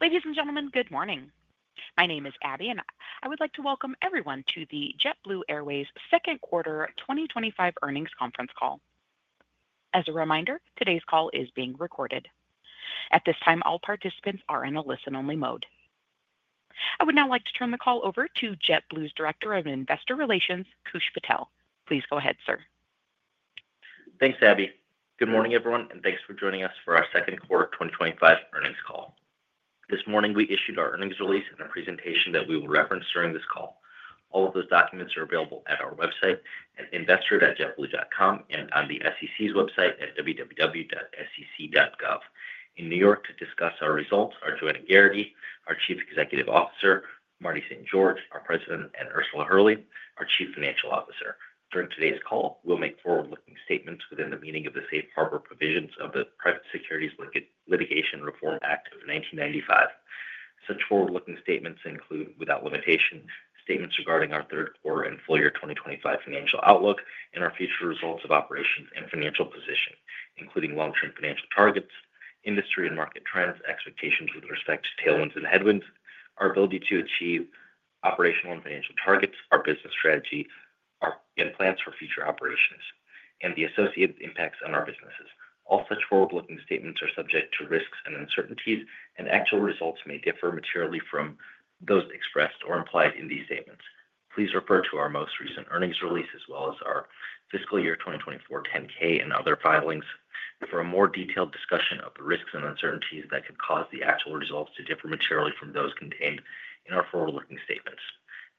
Ladies and gentlemen, good morning. My name is Abby, and I would like to welcome everyone to the JetBlue Airways second quarter 2025 earnings conference call. As a reminder, today's call is being recorded. At this time, all participants are in a listen-only mode. I would now like to turn the call over to JetBlue's Director of Investor Relations, Koosh Patel. Please go ahead, sir. Thanks, Abby. Good morning, everyone, and thanks for joining us for our second quarter 2025 earnings call. This morning, we issued our earnings release and a presentation that we will reference during this call. All of those documents are available at our website at investor@jetblue.com and on the SEC's website at www.sec.gov. In New York, to discuss our results are Joanna Geraghty, our Chief Executive Officer, Marty St. George, our President, and Ursula Hurley, our Chief Financial Officer. During today's call, we'll make forward-looking statements within the meaning of the Safe Harbor Provisions of the Private Securities Litigation Reform Act of 1995. Such forward-looking statements include, without limitation, statements regarding our third quarter and full-year 2025 financial outlook and our future results of operations and financial position, including long-term financial targets, industry and market trends, expectations with respect to tailwinds and headwinds, our ability to achieve operational and financial targets, our business strategy, and plans for future operations, and the associated impacts on our businesses. All such forward-looking statements are subject to risks and uncertainties, and actual results may differ materially from those expressed or implied in these statements. Please refer to our most recent earnings release, as well as our fiscal year 2024 10-K and other filings for a more detailed discussion of the risks and uncertainties that could cause the actual results to differ materially from those contained in our forward-looking statements.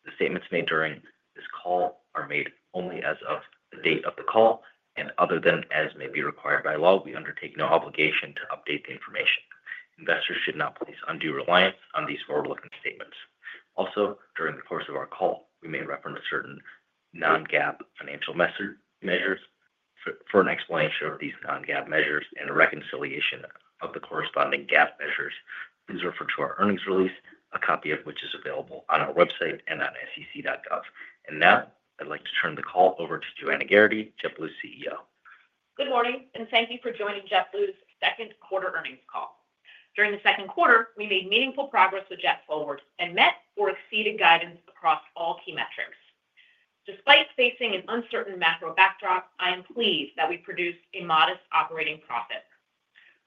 The statements made during this call are made only as of the date of the call, and other than as may be required by law, we undertake no obligation to update the information. Investors should not place undue reliance on these forward-looking statements. Also, during the course of our call, we may reference certain non-GAAP financial measures. For an explanation of these non-GAAP measures and a reconciliation of the corresponding GAAP measures, please refer to our earnings release, a copy of which is available on our website and on sec.gov. I'd like to turn the call over to Joanna Geraghty, JetBlue's CEO. Good morning, and thank you for joining JetBlue's second quarter earnings call. During the second quarter, we made meaningful progress with JetForward and met or exceeded guidance across all key metrics. Despite facing an uncertain macro backdrop, I'm pleased that we produced a modest operating profit.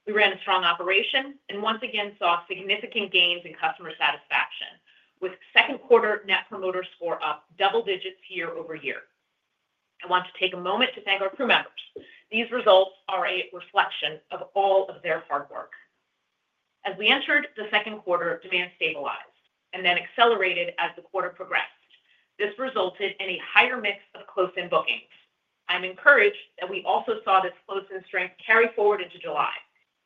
We ran a strong operation and once again saw significant gains in customer satisfaction, with second quarter Net Promoter Score up double digits year-over-year. I want to take a moment to thank our crew members. These results are a reflection of all of their hard work. As we entered the second quarter, demand stabilized and then accelerated as the quarter progressed. This resulted in a higher mix of closed-in bookings. I'm encouraged that we also saw this closed-in strength carry forward into July.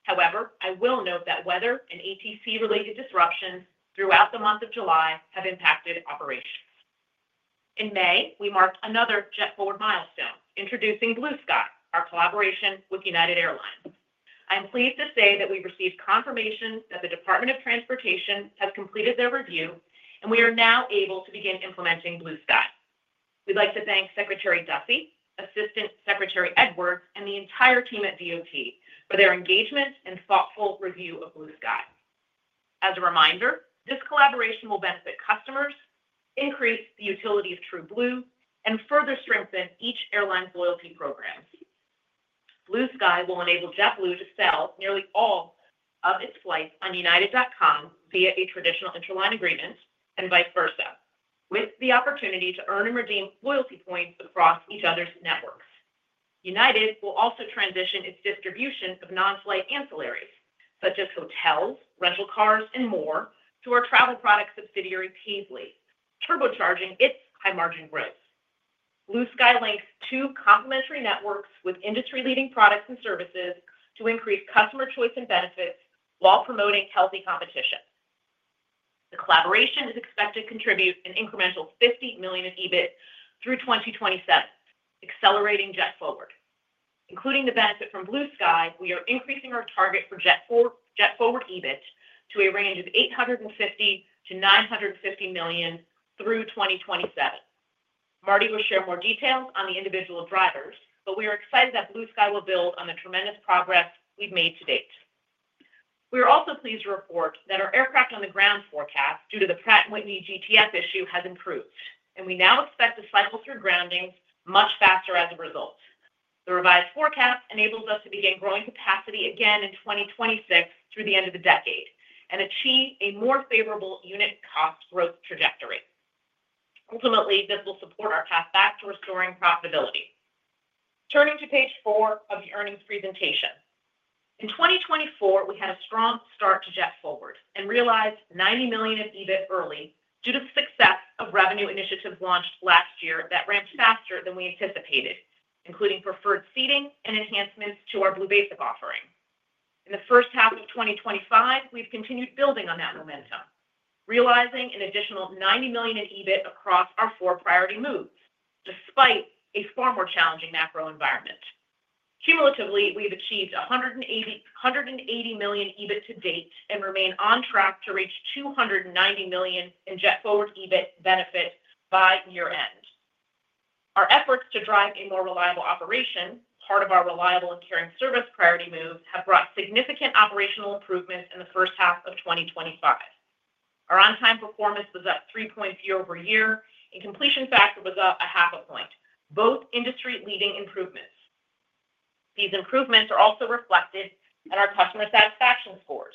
However, I will note that weather and ATC-related disruptions throughout the month of July have impacted operations. In May, we marked another JetForward milestone, introducing BlueSky, our collaboration with United Airlines. I'm pleased to say that we received confirmation that the Department of Transportation has completed their review, and we are now able to begin implementing BlueSky. We'd like to thank Secretary Duffy, Assistant Secretary Edward, and the entire team at the Department of Transportation for their engagement and thoughtful review of BlueSky. As a reminder, this collaboration will benefit customers, increase the utility of TrueBlue, and further strengthen each airline's loyalty programs. BlueSky will enable JetBlue to sell nearly all of its flights on united.com via a traditional interline agreement and vice versa, with the opportunity to earn and redeem loyalty points across each other's networks. United will also transition its distribution of non-flight ancillaries, such as hotels, rental cars, and more, to our travel product subsidiary Paisly, turbocharging its high-margin growth. BlueSky links two complementary networks with industry-leading products and services to increase customer choice and benefits, while promoting healthy competition. The collaboration is expected to contribute an incremental $50 million EBIT through 2027, accelerating JetForward. Including the benefit from BlueSky, we are increasing our target for JetForward EBIT to a range of $850 million-$950 million through 2027. Marty will share more details on the individual drivers, but we are excited that BlueSky will build on the tremendous progress we've made to date. We are also pleased to report that our aircraft on the ground forecast, due to the Pratt & Whitney GTF issue, has improved, and we now expect to cycle through grounding much faster as a result. The revised forecast enables us to begin growing capacity again in 2026 through the end of the decade and achieve a more favorable unit cost growth trajectory. Ultimately, this will support our path back to restoring profitability. Turning to page four of the earnings presentation. In 2024, we had a strong start to JetForward and realized $90 million of EBIT early due to the success of revenue initiatives launched last year that ramped faster than we anticipated, including preferred seating and enhancements to our Blue Basic offering. In the first half of 2025, we've continued building on that momentum, realizing an additional $90 million in EBIT across our four priority moves, despite a far more challenging macro environment. Cumulatively, we've achieved $180 million EBIT to date and remain on track to reach $290 million in JetForward EBIT benefit by year-end. Our efforts to drive a more reliable operation, part of our reliable and caring service priority move, have brought significant operational improvements in the first half of 2025. Our on-time performance was up 3 points year-over-year, and completion factor was up 0.5 point, both industry-leading improvements. These improvements are also reflected in our customer satisfaction scores,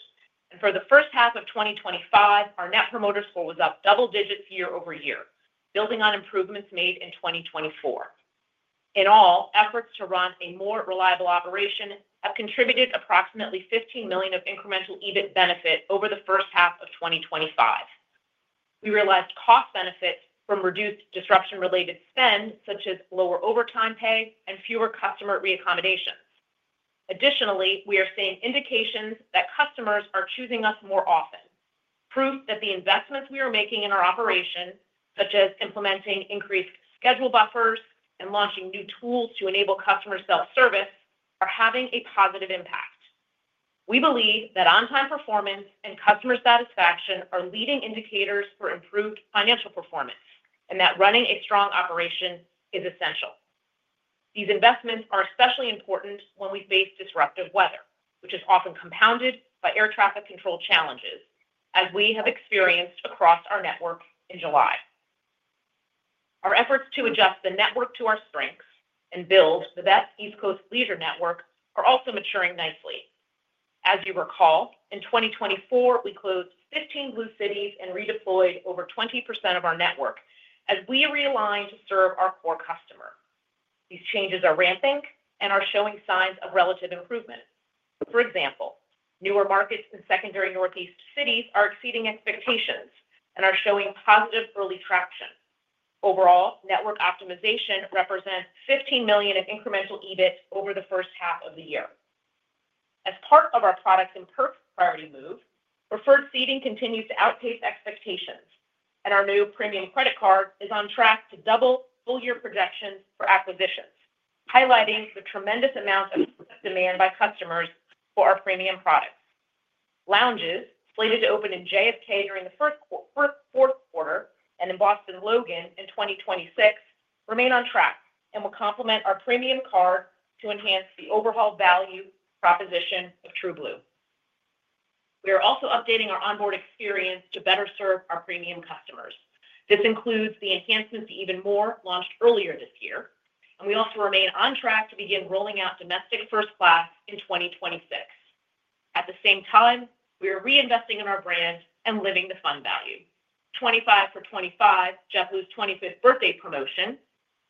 and for the first half of 2025, our Net Promoter Score was up double digits year over year, building on improvements made in 2024. In all, efforts to run a more reliable operation have contributed approximately $15 million of incremental EBIT benefit over the first half of 2025. We realized cost benefits from reduced disruption-related spend, such as lower overtime pay and fewer customer reaccommodations. Additionally, we are seeing indications that customers are choosing us more often, proof that the investments we are making in our operation, such as implementing increased schedule buffers and launching new tools to enable customer self-service, are having a positive impact. We believe that on-time performance and customer satisfaction are leading indicators for improved financial performance and that running a strong operation is essential. These investments are especially important when we face disruptive weather, which is often compounded by air traffic control challenges, as we have experienced across our network in July. Our efforts to adjust the network to our strengths and build the best East Coast leisure network are also maturing nicely. As you recall, in 2024, we closed 15 Blue Cities and redeployed over 20% of our network as we realign to serve our core customer. These changes are ramping and are showing signs of relative improvement. For example, newer markets in secondary Northeast cities are exceeding expectations and are showing positive early traction. Overall, network optimization represents $15 million in incremental EBIT over the first half of the year. As part of our products and purchase priority move, preferred seating continues to outpace expectations, and our new premium credit card is on track to double full-year projections for acquisitions, highlighting the tremendous amount of demand by customers for our premium products. Lounges slated to open in JFK during the first fourth quarter and in Boston Logan in 2026 remain on track and will complement our premium card to enhance the overall value proposition of TrueBlue. We are also updating our onboard experience to better serve our premium customers. This includes the enhancements to EvenMore launched earlier this year, and we also remain on track to begin rolling out domestic first class in 2026. At the same time, we are reinvesting in our brand and living the fun value. 25 for 25, JetBlue's 25th birthday promotion,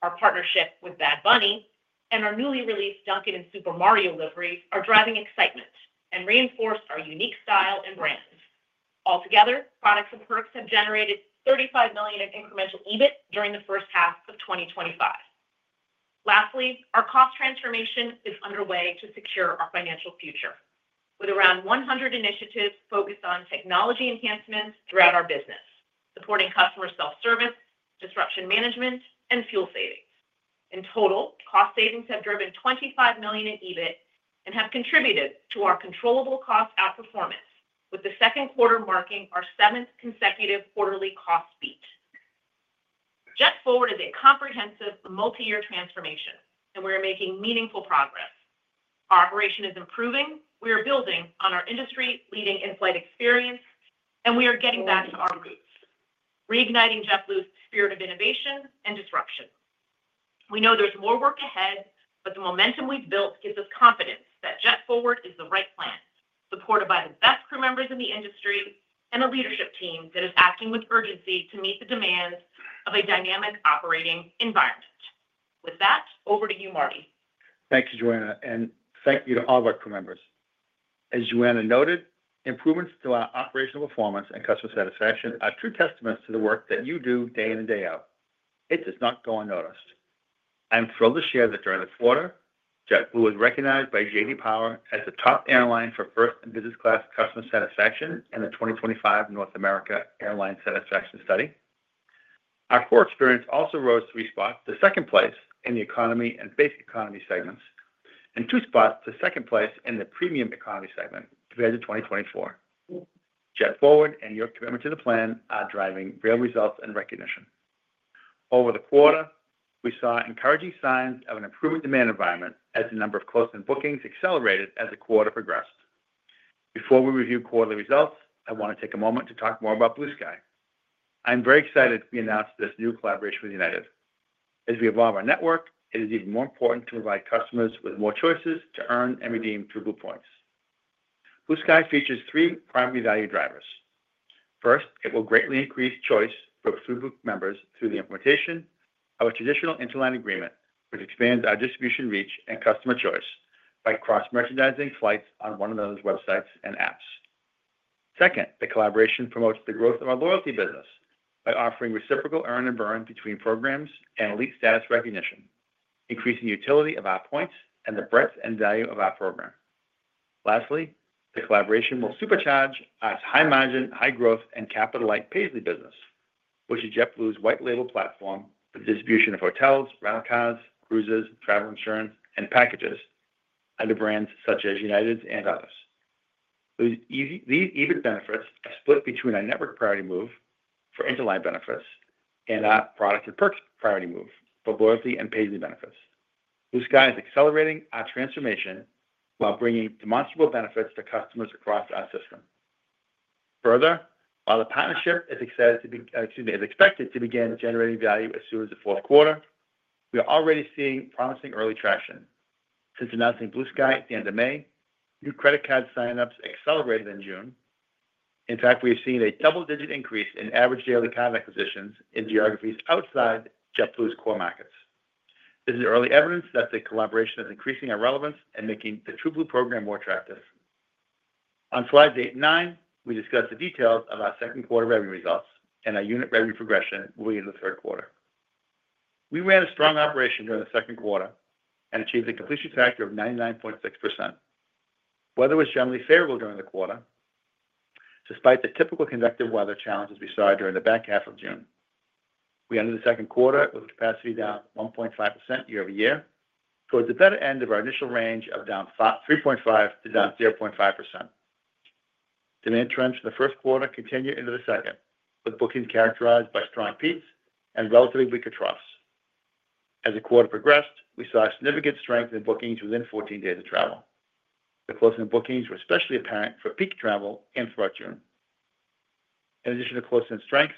our partnership with Bad Bunny, and our newly released Dunkin' and Super Mario livery are driving excitement and reinforce our unique style and brand. Altogether, products and perks have generated $35 million in incremental EBIT during the first half of 2025. Lastly, our cost transformation is underway to secure our financial future, with around 100 initiatives focused on technology enhancements throughout our business, supporting customer self-service, disruption management, and fuel savings. In total, cost savings have driven $25 million in EBIT and have contributed to our controllable cost outperformance, with the second quarter marking our seventh consecutive quarterly cost beat. JetForward is a comprehensive multi-year transformation, and we are making meaningful progress. Our operation is improving, we are building on our industry-leading in-flight experience, and we are getting back to our roots, reigniting JetBlue's spirit of innovation and disruption. We know there's more work ahead, but the momentum we've built gives us confidence that JetForward is the right plan, supported by the best crew members in the industry and a leadership team that is acting with urgency to meet the demands of a dynamic operating environment. With that, over to you, Marty. Thank you, Joanna, and thank you to all of our crew members. As Joanna noted, improvements to our operational performance and customer satisfaction are true testaments to the work that you do day in and day out. It does not go unnoticed. I'm thrilled to share that during the quarter, JetBlue was recognized by J.D. Power as the top airline for first and business class customer satisfaction in the 2025 North America Airline Satisfaction Study. Our core experience also rose to the second place in the economy and base economy segments and to the second place in the premium economy segment compared to 2024. JetForward and your commitment to the plan are driving real results and recognition. Over the quarter, we saw encouraging signs of an improving demand environment as the number of close-in bookings accelerated as the quarter progressed. Before we review quarterly results, I want to take a moment to talk more about BlueSky. I'm very excited we announced this new collaboration with United Airlines. As we evolve our network, it is even more important to provide customers with more choices to earn and redeem TrueBlue points. BlueSky features three primary value drivers. First, it will greatly increase choice for TrueBlue members through the implementation of a traditional interline agreement, which expands our distribution reach and customer choice by cross-merchandising flights on one another's websites and apps. Second, the collaboration promotes the growth of our loyalty business by offering reciprocal earn and burn between programs and elite status recognition, increasing the utility of our points and the breadth and value of our program. Lastly, the collaboration will supercharge our high-margin, high-growth, and capital-light Paisly business, which is JetBlue's white-label platform for the distribution of hotels, rental cars, cruises, travel insurance, and packages under brands such as United Airlines' and others. These EBIT benefits are split between our network priority move for interline benefits and our product and perks priority move for loyalty and Paisly benefits. BlueSky is accelerating our transformation while bringing demonstrable benefits to customers across our system. Further, while the partnership is expected to begin generating value as soon as the fourth quarter, we are already seeing promising early traction. Since announcing BlueSky at the end of May, new credit card signups accelerated in June. In fact, we have seen a double-digit increase in average daily power acquisitions in geographies outside JetBlue's core markets. This is early evidence that the collaboration is increasing our relevance and making the TrueBlue program more attractive. On slides eight and nine, we discuss the details of our second quarter revenue results and our unit revenue progression will be in the third quarter. We ran a strong operation during the second quarter and achieved a completion factor of 99.6%. Weather was generally favorable during the quarter, despite the typical convective weather challenges we saw during the back half of June. We ended the second quarter with capacity down 1.5% year-over-year, towards the better end of our initial range of down 3.5% to down 0.5%. Demand trends for the first quarter continued into the second, with bookings characterized by strong peaks and relatively weaker troughs. As the quarter progressed, we saw significant strength in bookings within 14 days of travel. The closing bookings were especially apparent for peak travel throughout June. In addition to closing strengths,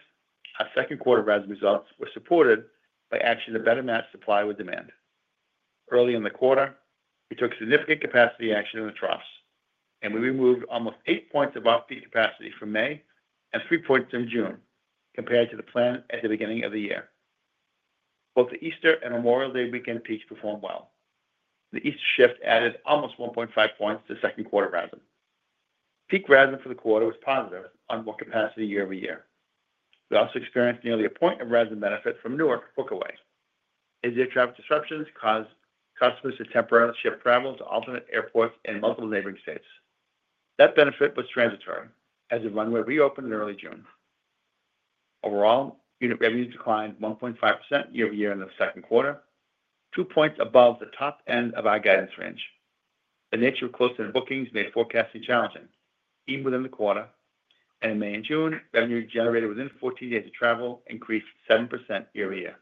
our second quarter results were supported by action to better match supply with demand. Early in the quarter, we took significant capacity action in the troughs, and we removed almost 8 points of off-peak capacity from May and 3 points from June compared to the plan at the beginning of the year. Both the Easter and Memorial Day weekend peaks performed well. The Easter shift added almost 1.5 points to the second quarter rather than peak, rather than for the quarter was positive on more capacity year-over-year. We also experienced nearly 1 point of benefit from Newark hookway. In-day traffic disruptions caused customers to temporarily shift travel to alternate airports in multiple neighboring states. That benefit was transitory as the runway reopened in early June. Overall, unit revenues declined 1.5% year-over-year in the second quarter, 2 points above the top end of our guidance range. The nature of closed-in bookings made forecasting challenging, even within the quarter, and in May and June, revenue generated within 14 days of travel increased 7% year-over-year.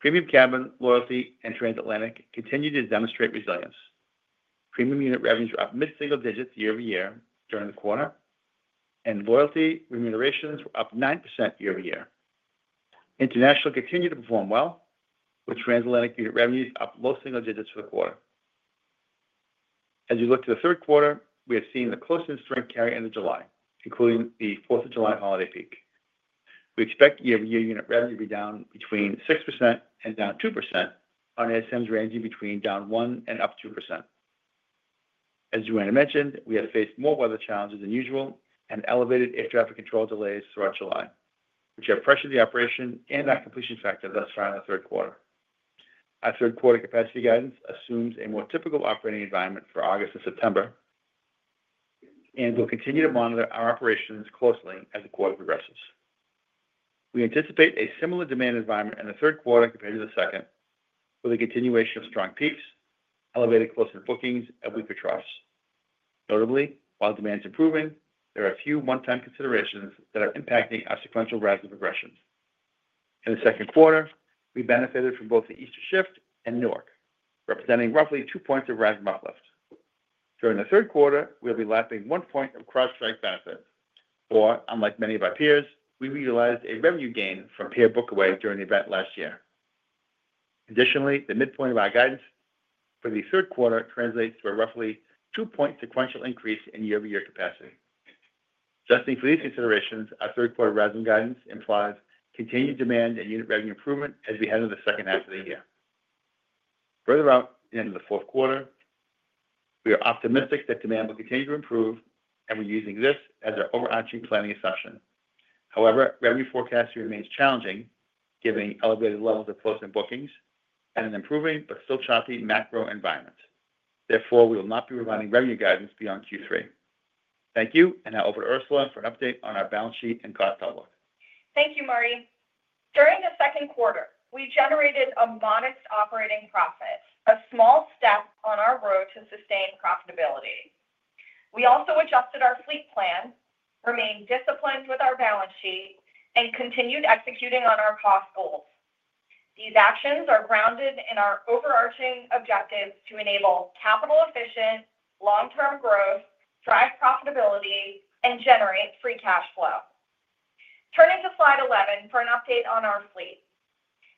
Premium Cabin, Loyalty, and transatlantic continued to demonstrate resilience. Premium unit revenues were up mid-single digits year-over-year during the quarter, and loyalty remunerations were up 9% year-over-year. International continued to perform well, with transatlantic unit revenues up low single digits for the quarter. As we look to the third quarter, we have seen the closing strength carry into July, including the 4th of July holiday peak. We expect year-over-year unit revenue to be down between 6% and down 2%, on an estimate ranging between down 1% and up 2%. As Joanna mentioned, we have faced more weather challenges than usual and elevated air traffic control delays throughout July, which have pressured the operation and our completion factor thus far in the third quarter. Our third quarter capacity guidance assumes a more typical operating environment for August and September, and we'll continue to monitor our operations closely as the quarter progresses. We anticipate a similar demand environment in the third quarter compared to the second, with a continuation of strong peaks, elevated closing bookings, and weaker troughs. Notably, while demand is improving, there are a few one-time considerations that are impacting our sequential progressions. In the second quarter, we benefited from both the Easter shift and Newark, representing roughly 2 points of uplift. During the third quarter, we'll be lapping 1 point of CrowdStrike benefit, where unlike many of our peers, we reutilized a revenue gain from peer book away during the event last year. Additionally, the midpoint of our guidance for the third quarter translates to a roughly 2 point sequential increase in year-over-year capacity. Adjusting for these considerations, our third quarter guidance implies continued demand and unit revenue improvement as we head into the second half of the year. Further out into the fourth quarter, we are optimistic that demand will continue to improve, and we're using this as our overarching planning assumption. However, revenue forecasting remains challenging given the elevated levels of closing bookings and an improving but still choppy macro environment. Therefore, we will not be providing revenue guidance beyond Q3. Thank you, and now over to Ursula for an update on our balance sheet and cost outlook. Thank you, Marty. During the second quarter, we generated a modest operating profit, a small step on our road to sustained profitability. We also adjusted our fleet plan, remained disciplined with our balance sheet, and continued executing on our cost goals. These actions are grounded in our overarching objectives to enable capital-efficient, long-term growth, drive profitability, and generate free cash flow. Turning to slide 11 for an update on our fleet.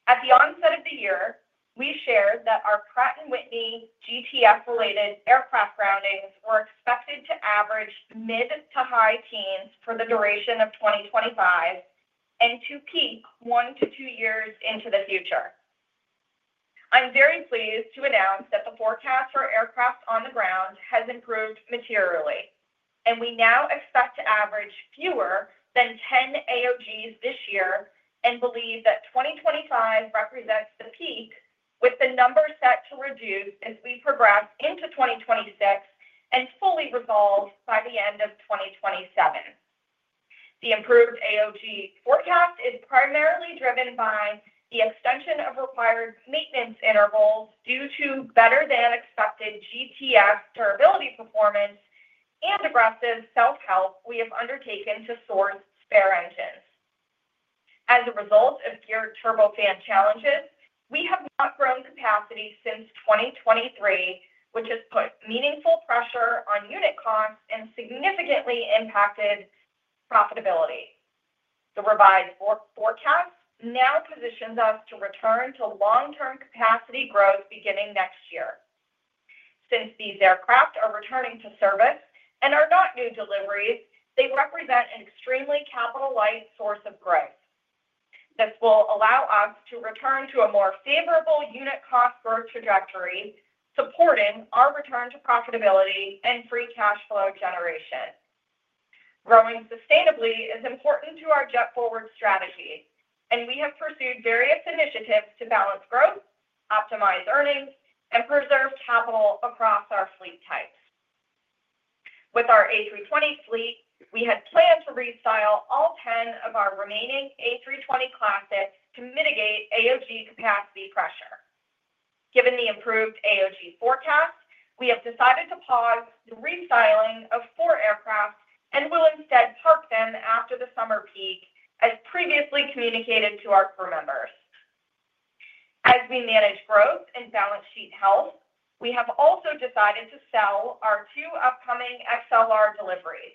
At the onset of the year, we shared that our Pratt & Whitney GTF-related aircraft groundings were expected to average mid to high teens for the duration of 2025 and to peak one to two years into the future. I'm very pleased to announce that the forecast for aircraft on the ground has improved materially, and we now expect to average fewer than 10 AOGs this year and believe that 2025 represents the peak, with the number set to reduce as we progress into 2026 and fully resolve by the end of 2027. The improved AOG forecast is primarily driven by the extension of required maintenance intervals due to better than expected GTF durability performance and aggressive self-help we have undertaken to sort spare engines. As a result of geared turbofan challenges, we have outgrown capacity since 2023, which has put meaningful pressure on unit costs and significantly impacted profitability. The revised forecast now positions us to return to long-term capacity growth beginning next year. Since these aircraft are returning to service and are not new deliveries, they represent an extremely capital-light source of growth. This will allow us to return to a more favorable unit cost growth trajectory, supporting our return to profitability and free cash flow generation. Growing sustainably is important to our JetForward strategy, and we have pursued various initiatives to balance growth, optimize earnings, and preserve capital across our fleet types. With our A320 fleet, we had planned to restyle all 10 of our remaining A320 classics to mitigate AOG capacity pressure. Given the improved AOG forecast, we have decided to pause the restyling of four aircraft and will instead park them after the summer peak, as previously communicated to our crew members. As we manage growth and balance sheet health, we have also decided to sell our two upcoming SLR deliveries.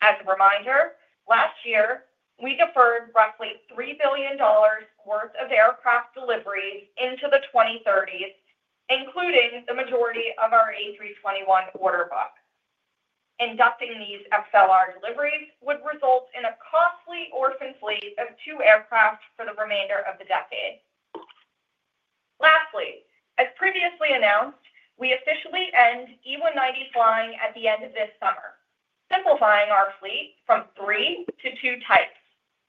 As a reminder, last year, we deferred roughly $3 billion worth of aircraft deliveries into the 2030s, including the majority of our A321 order book. Inducting these SLR deliveries would result in a costly orphan fleet of two aircraft for the remainder of the decade. Lastly, as previously announced, we officially end E190 flying at the end of this summer, simplifying our fleet from three to two types: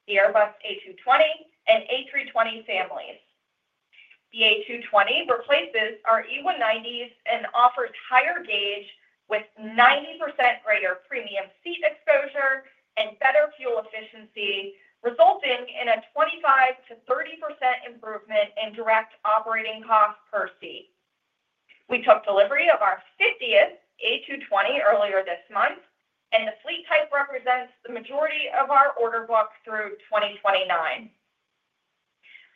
the Airbus A220 and A320 families. The A220 replaces our E190s and offers higher gauge with 90% greater premium seat exposure and better fuel efficiency, resulting in a 25%-30% improvement in direct operating cost per seat. We took delivery of our 50th A220 earlier this month, and the fleet type represents the majority of our order book through 2029.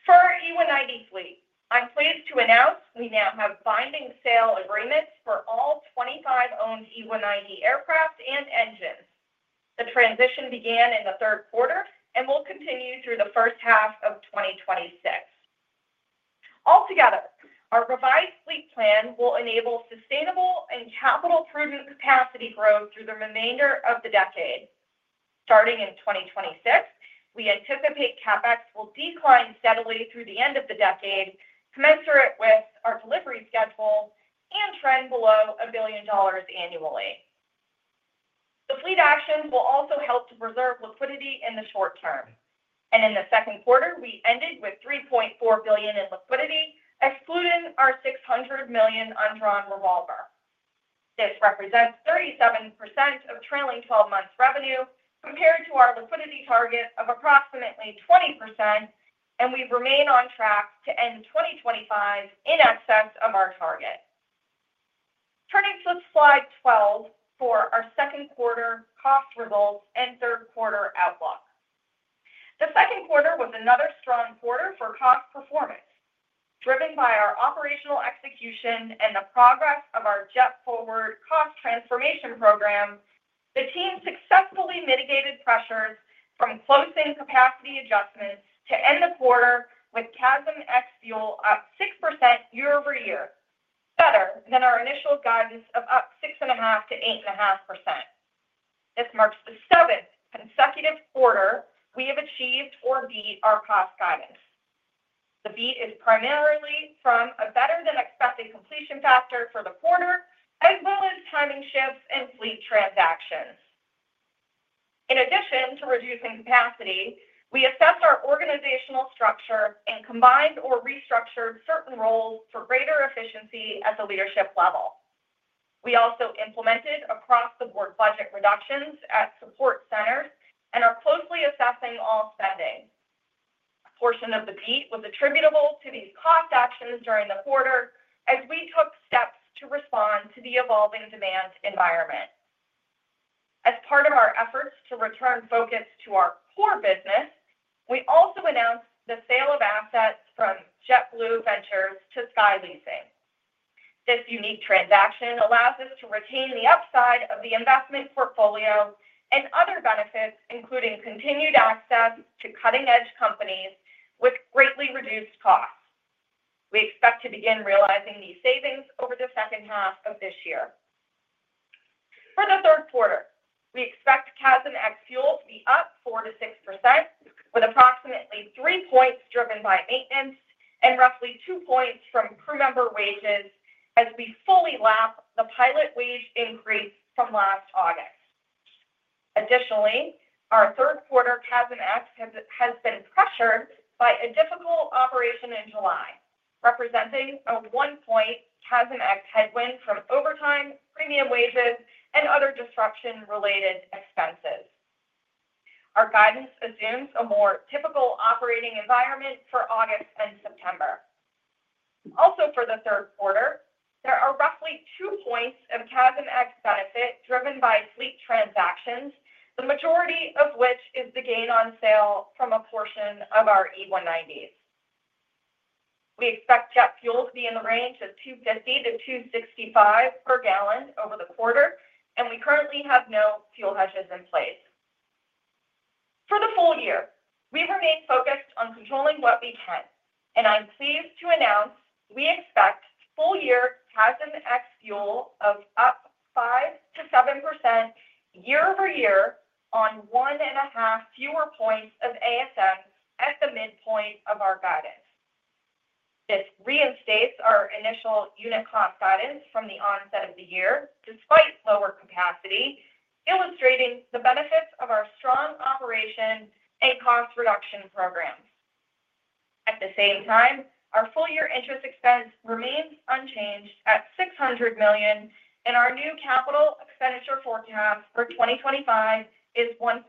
For our E190 fleet, I'm pleased to announce we now have binding sale agreements for all 25 owned E190 aircraft and engines. The transition began in the third quarter and will continue through the first half of 2026. Altogether, our revised fleet plan will enable sustainable and capital-proving capacity growth through the remainder of the decade. Starting in 2026, we anticipate CapEx will decline steadily through the end of the decade, commensurate with our delivery schedule and trend below $1 billion annually. The fleet actions will also help to preserve liquidity in the short term, and in the second quarter, we ended with $3.4 billion in liquidity, excluding our $600 million undrawn revolver. This represents 37% of trailing 12 months' revenue compared to our liquidity target of approximately 20%, and we remain on track to end 2025 in excess of our target. Turning to slide 12 for our second quarter cost results and third quarter outlook. The second quarter was another strong quarter for cost performance. Driven by our operational execution and the progress of our JetForward cost transformation program, the team successfully mitigated pressures from closing capacity adjustments to end the quarter with CASM ex-fuel up 6% year-over-year, better than our initial guidance of up 6.5%-8.5%. This marks the seventh consecutive quarter we have achieved or beat our cost guidance. The beat is primarily from a better than expected completion factor for the quarter, as well as timing shifts and fleet transactions. In addition to reducing capacity, we assessed our organizational structure and combined or restructured certain roles for greater efficiency at the leadership level. We also implemented across-the-board budget reductions at support centers and are closely assessing all spending. A portion of the beat was attributable to these cost actions during the quarter as we took steps to respond to the evolving demand environment. As part of our efforts to return focus to our core business, we also announced the sale of assets from JetBlue Ventures to SKY Leasing. This unique transaction allows us to retain the upside of the investment portfolio and other benefits, including continued access to cutting-edge companies with greatly reduced costs. We expect to begin realizing these savings over the second half of this year. For the third quarter, we expect CASM ex-fuel to be up 4% to 6%, with approximately 3 points driven by maintenance and roughly 2 points from crew member wages as we fully lap the pilot wage increase from last August. Additionally, our third quarter CASM-ex has been pressured by a difficult operation in July, representing 1 point CASM-ex headwind from overtime, premium wages, and other disruption-related expenses. Our guidance assumes a more typical operating environment for August and September. Also, for the third quarter, there are roughly 2 points of CASM-ex benefit driven by fleet transactions, the majority of which is the gain on sale from a portion of our E190s. We expect jet fuel to be in the range of $2.50-$2.65 per gallon over the quarter, and we currently have no fuel hedges in place. For the full year, we remain focused on controlling what we can, and I'm pleased to announce we expect full-year CASM ex-fuel of up 5%-7% year-over-year on one and a half fewer points of ASM at the midpoint of our guidance. This reinstates our initial unit cost guidance from the onset of the year, despite lower capacity, illustrating the benefits of our strong operation and cost reduction programs. At the same time, our full-year interest expense remains unchanged at $600 million, and our new capital expenditure forecast for 2025 is $1.2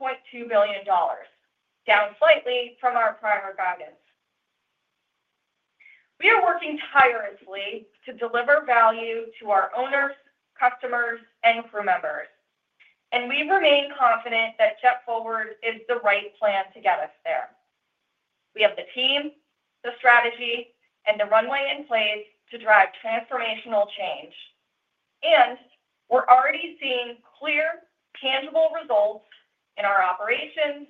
billion, down slightly from our prior guidance. We are working tirelessly to deliver value to our owners, customers, and crew members, and we remain confident that JetForward is the right plan to get us there. We have the team, the strategy, and the runway in place to drive transformational change, and we're already seeing clear, tangible results in our operations,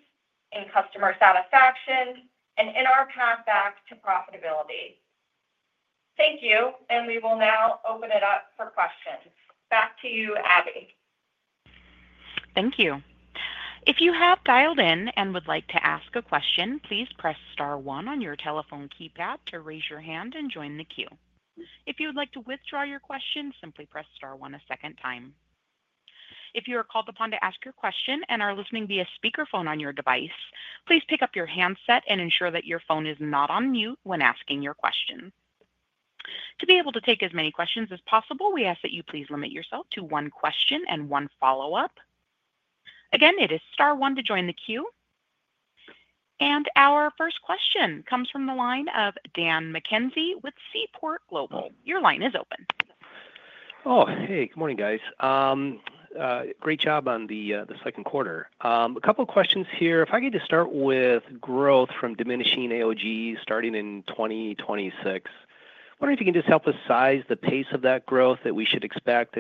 in customer satisfaction, and in our path back to profitability. Thank you, and we will now open it up for questions. Back to you, Abby. Thank you. If you have dialed in and would like to ask a question, please press star one on your telephone keypad to raise your hand and join the queue. If you would like to withdraw your question, simply press star one a second time. If you are called upon to ask your question and are listening via speakerphone on your device, please pick up your handset and ensure that your phone is not on mute when asking your question. To be able to take as many questions as possible, we ask that you please limit yourself to one question and one follow-up. Again, it is star one to join the queue. Our first question comes from the line of Dan McKenzie with Seaport Global. Your line is open. Oh, hey, good morning, guys. Great job on the second quarter. A couple of questions here. If I could just start with growth from diminishing AOGs starting in 2026, I'm wondering if you can just help us size the pace of that growth that we should expect.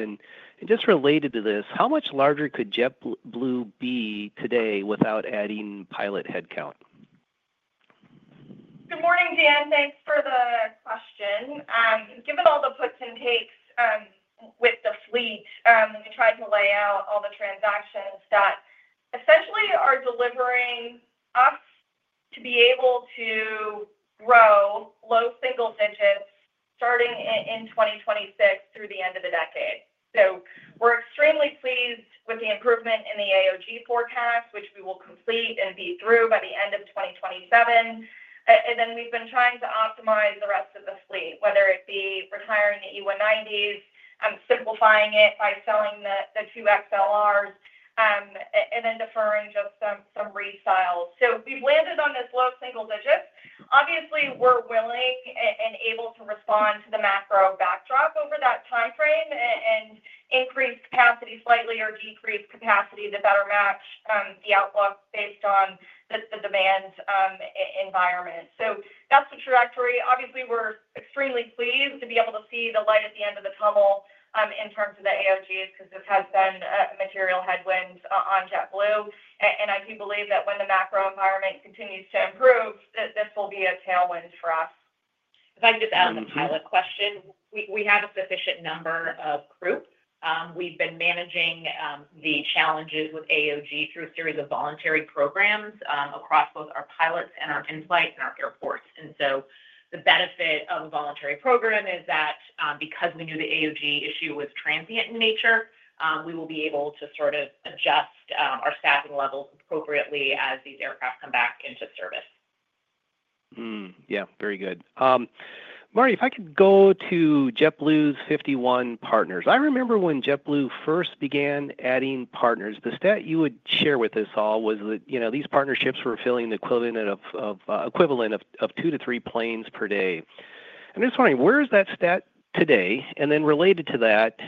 Just related to this, how much larger could JetBlue be today without adding pilot headcount? Good morning, Dan. Thanks for the question. Given all the puts and takes with the fleet, we tried to lay out all the transactions that essentially are delivering us to be able to grow low single digits starting in 2026 through the end of the decade. We're extremely pleased with the improvement in the AOG forecast, which we will complete and be through by the end of 2027. We've been trying to optimize the rest of the fleet, whether it be retiring the E190s, simplifying it by selling the two SLRs, and deferring just some restyles. We've landed on this low single digit. Obviously, we're willing and able to respond to the macro backdrop over that timeframe and increase capacity slightly or decrease capacity to better match the outlook based on the demand environment. That's the trajectory. We're extremely pleased to be able to see the light at the end of the tunnel in terms of the AOGs because this has been a material headwind on JetBlue. I do believe that when the macro environment continues to improve, this will be a tailwind for us. If I could just add on the pilot question, we have a sufficient number of crew. We've been managing the challenges with AOG through a series of voluntary programs across both our pilots and our in-flight and our airports. The benefit of a voluntary program is that because we knew the AOG issue was transient in nature, we will be able to sort of adjust our staffing levels appropriately as these aircraft come back into service. Yeah, very good. Marty, if I could go to JetBlue's 51 partners. I remember when JetBlue first began adding partners, the stat you would share with us all was that, you know, these partnerships were filling the equivalent of two to three planes per day. I'm just wondering, where is that stat today? Related to that,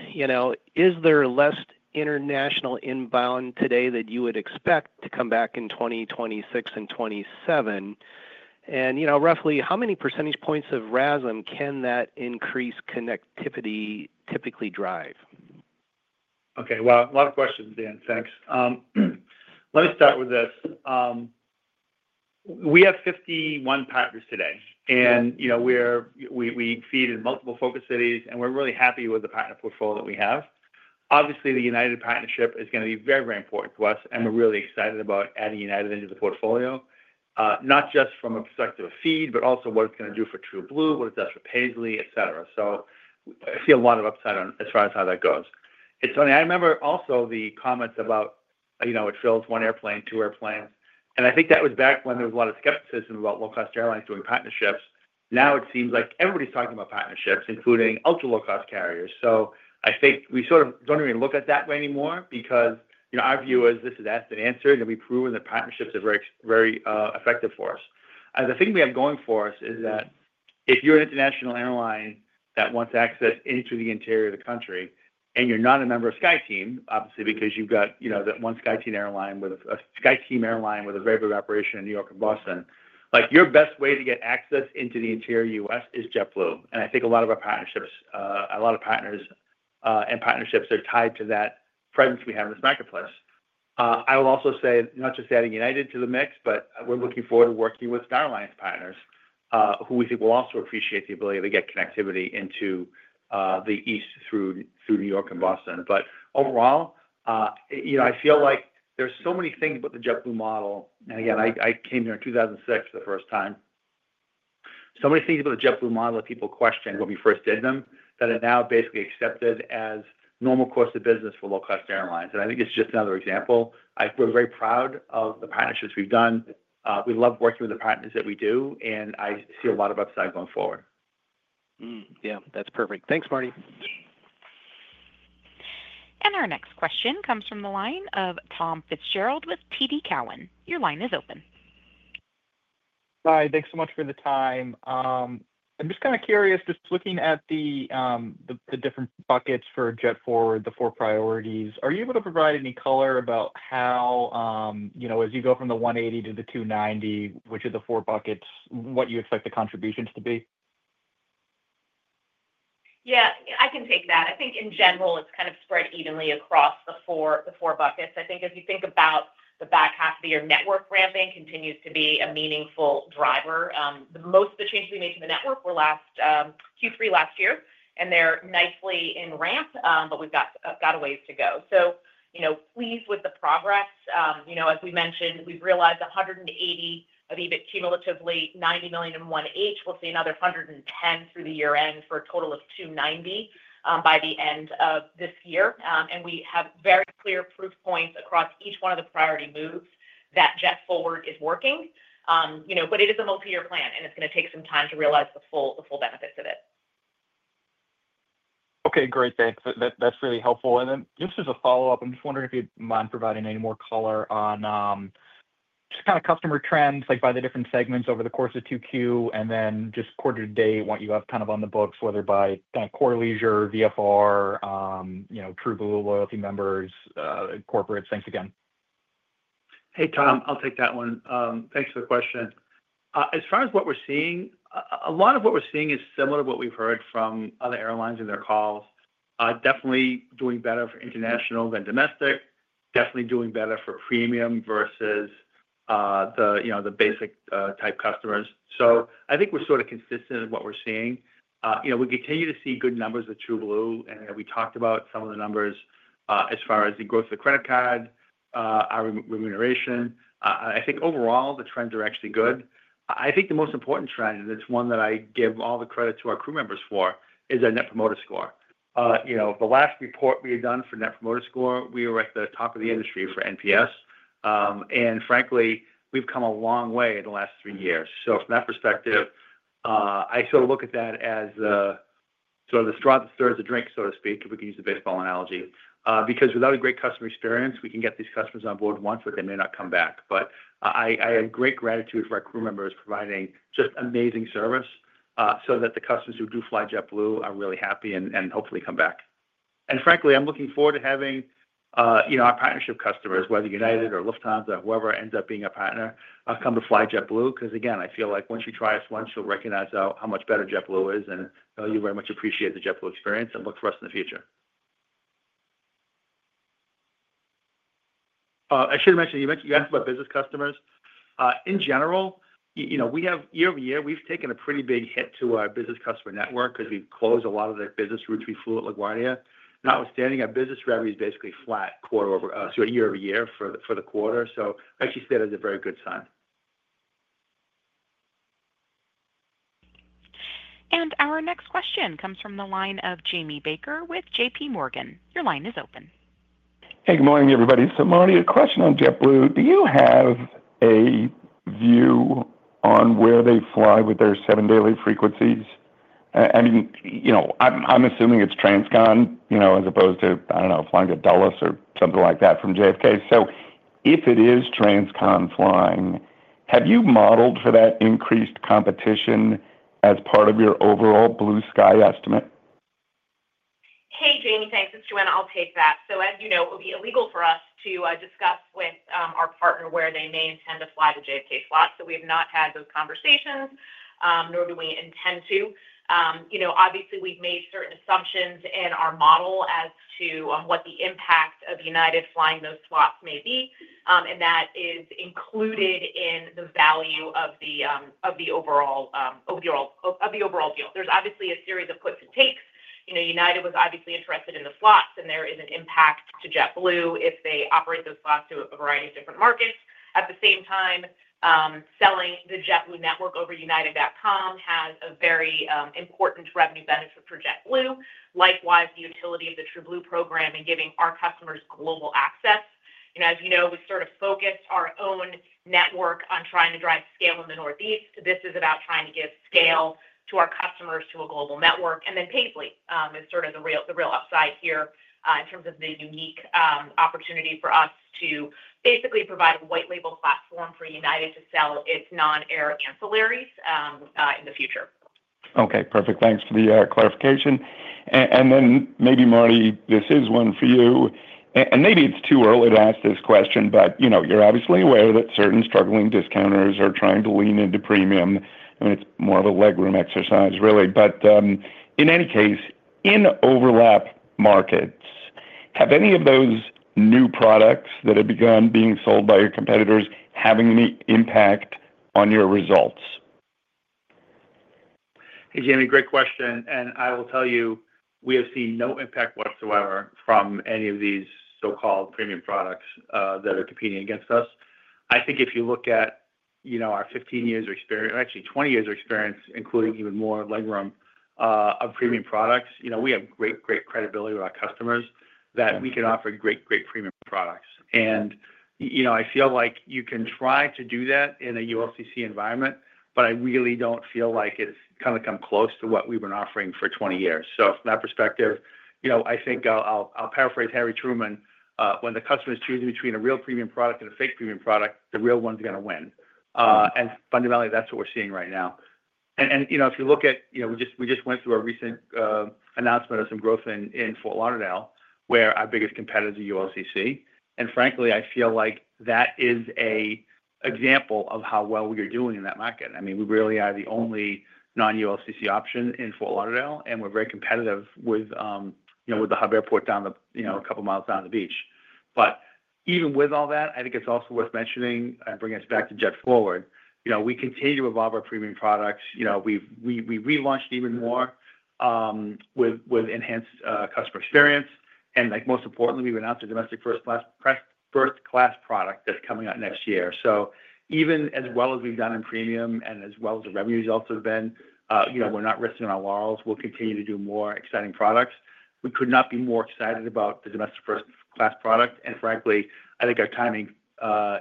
is there less international inbound today that you would expect to come back in 2026 and 2027? You know, roughly how many percenatge points of RASM can that increased connectivity typically drive? Okay, a lot of questions, Dan. Thanks. Let me start with this. We have 51 partners today, and you know, we feed in multiple focus cities, and we're really happy with the partner portfolio that we have. Obviously, the United partnership is going to be very, very important to us, and we're really excited about adding United into the portfolio, not just from a perspective of feed, but also what it's going to do for TrueBlue, what it does for Paisly, etc. I see a lot of upside as far as how that goes. It's funny, I remember also the comments about, you know, it fills one airplane, two airplanes. I think that was back when there was a lot of skepticism about low-cost airlines doing partnerships. Now it seems like everybody's talking about partnerships, including ultra-low-cost carriers. I think we sort of don't even look at that way anymore because, you know, our view is this is asked and answered, and we've proven that partnerships are very, very effective for us. The thing we have going for us is that if you're an international airline that wants access into the interior of the country, and you're not a member of SkyTeam, obviously, because you've got, you know, that one SkyTeam airline with a SkyTeam airline with a very big operation in New York and Boston, like your best way to get access into the interior U.S. is JetBlue. I think a lot of our partnerships, a lot of partners and partnerships are tied to that presence we have in this marketplace. I will also say not just adding United to the mix, but we're looking forward to working with Star Alliance partners, who we think will also appreciate the ability to get connectivity into the East through New York and Boston. Overall, you know, I feel like there's so many things about the JetBlue model. Again, I came here in 2006 for the first time. So many things about the JetBlue model that people questioned when we first did them that are now basically accepted as normal course of business for low-cost airlines. I think it's just another example. We're very proud of the partnerships we've done. We love working with the partners that we do, and I see a lot of upside going forward. Yeah, that's perfect. Thanks, Marty. Our next question comes from the line of Tom Fitzgerald with TD Cowen. Your line is open. Hi, thanks so much for the time. I'm just kind of curious, just looking at the different buckets for JetForward, the four priorities, are you able to provide any color about how, you know, as you go from the 180 to the 290, which are the four buckets, what you expect the contributions to be? Yeah, I can take that. I think in general, it's kind of spread evenly across the four buckets. I think if you think about the back half of the year, network ramping continues to be a meaningful driver. Most of the changes we made to the network were last Q3 last year, and they're nicely in ramp, but we've got a ways to go. Pleased with the progress. As we mentioned, we've realized $180 million of EBIT cumulatively, $90 million in 1H. We'll see another $110 million through the year end for a total of $290 million by the end of this year. We have very clear proof points across each one of the priority moves that JetForward is working. It is a multi-year plan, and it's going to take some time to realize the full benefits of it. Okay, great. Thanks. That's really helpful. Just as a follow-up, I'm just wondering if you'd mind providing any more color on just kind of customer trends, like by the different segments over the course of Q2, and then just quarter to date, what you have kind of on the books, whether by kind of core leisure, VFR, you know, TrueBlue loyalty members, corporate. Thanks again. Hey, Tom, I'll take that one. Thanks for the question. As far as what we're seeing, a lot of what we're seeing is similar to what we've heard from other airlines in their calls. Definitely doing better for international than domestic, definitely doing better for premium versus the, you know, the basic type customers. I think we're sort of consistent in what we're seeing. We continue to see good numbers with TrueBlue, and we talked about some of the numbers as far as the growth of the credit card, our remuneration. I think overall, the trends are actually good. I think the most important trend, and it's one that I give all the credit to our crew members for, is our Net Promoter Score. The last report we had done for Net Promoter Score, we were at the top of the industry for NPS. Frankly, we've come a long way in the last three years. From that perspective, I sort of look at that as the straw that stirs the drink, so to speak, if we can use the baseball analogy. Without a great customer experience, we can get these customers on board once, but they may not come back. I have great gratitude for our crew members providing just amazing service so that the customers who do fly JetBlue are really happy and hopefully come back. Frankly, I'm looking forward to having our partnership customers, whether United or Lufthansa or whoever ends up being a partner, come to fly JetBlue because, again, I feel like once you try us once, you'll recognize how much better JetBlue is and how you very much appreciate the JetBlue experience and look for us in the future. I should have mentioned, you asked about business customers. In general, year over year, we've taken a pretty big hit to our business customer network because we've closed a lot of the business routes we flew at LaGuardia. Notwithstanding, our business revenue is basically flat quarter over, so year over year for the quarter. I actually see that as a very good sign. Our next question comes from the line of Jamie Baker with JPMorgan. Your line is open. Good morning, everybody. Marty, a question on JetBlue. Do you have a view on where they fly with their seven daily frequencies? I'm assuming it's transcon, as opposed to flying to Dulles or something like that from JFK. If it is transcon flying, have you modeled for that increased competition as part of your overall BlueSky estimate? Hey, Jamie, thanks. It's Joanna. I'll take that. As you know, it would be illegal for us to discuss with our partner where they may intend to fly the JFK slots. We've not had those conversations, nor do we intend to. Obviously, we've made certain assumptions in our model as to what the impact of United flying those slots may be, and that is included in the value of the overall deal. There's obviously a series of puts and takes. United was obviously interested in the slots, and there is an impact to JetBlue if they operate those slots to a variety of different markets. At the same time, selling the JetBlue network over united.com has a very important revenue benefit for JetBlue. Likewise, the utility of the TrueBlue program and giving our customers global access. As you know, we sort of focused our own network on trying to drive scale in the Northeast. This is about trying to give scale to our customers through a global network. Paisly is sort of the real upside here in terms of the unique opportunity for us to basically provide a white-label platform for United to sell its non-air ancillaries in the future. Okay, perfect. Thanks for the clarification. Maybe, Marty, this is one for you. Maybe it's too early to ask this question, but you're obviously aware that certain struggling discounters are trying to lean into premium. I mean, it's more of a legroom exercise, really. In any case, in overlap markets, have any of those new products that have begun being sold by your competitors had any impact on your results? Hey, Jamie, great question. I will tell you, we have seen no impact whatsoever from any of these so-called premium products that are competing against us. I think if you look at our 15 years of experience, or actually 20 years of experience, including EvenMore legroom or premium products, we have great, great credibility with our customers that we can offer great, great premium products. I feel like you can try to do that in a ULCC environment, but I really don't feel like it's come close to what we've been offering for 20 years. From that perspective, I think I'll paraphrase Harry Truman. When the customer is choosing between a real premium product and a fake premium product, the real one's going to win. Fundamentally, that's what we're seeing right now. If you look at, we just went through a recent announcement of some growth in Fort Lauderdale, where our biggest competitor is the ULCC. Frankly, I feel like that is an example of how well we are doing in that market. We really are the only non-ULCC option in Fort Lauderdale, and we're very competitive with the hub airport a couple of miles down the beach. Even with all that, I think it's also worth mentioning, bringing us back to JetForward, we continue to evolve our premium products. We've relaunched EvenMore with enhanced customer experience. Most importantly, we went out to domestic first-class product that's coming out next year. Even as well as we've done in premium and as well as the revenue results have been, we're not resting on our laurels. We'll continue to do more exciting products. We could not be more excited about the domestic first-class product. Frankly, I think our timing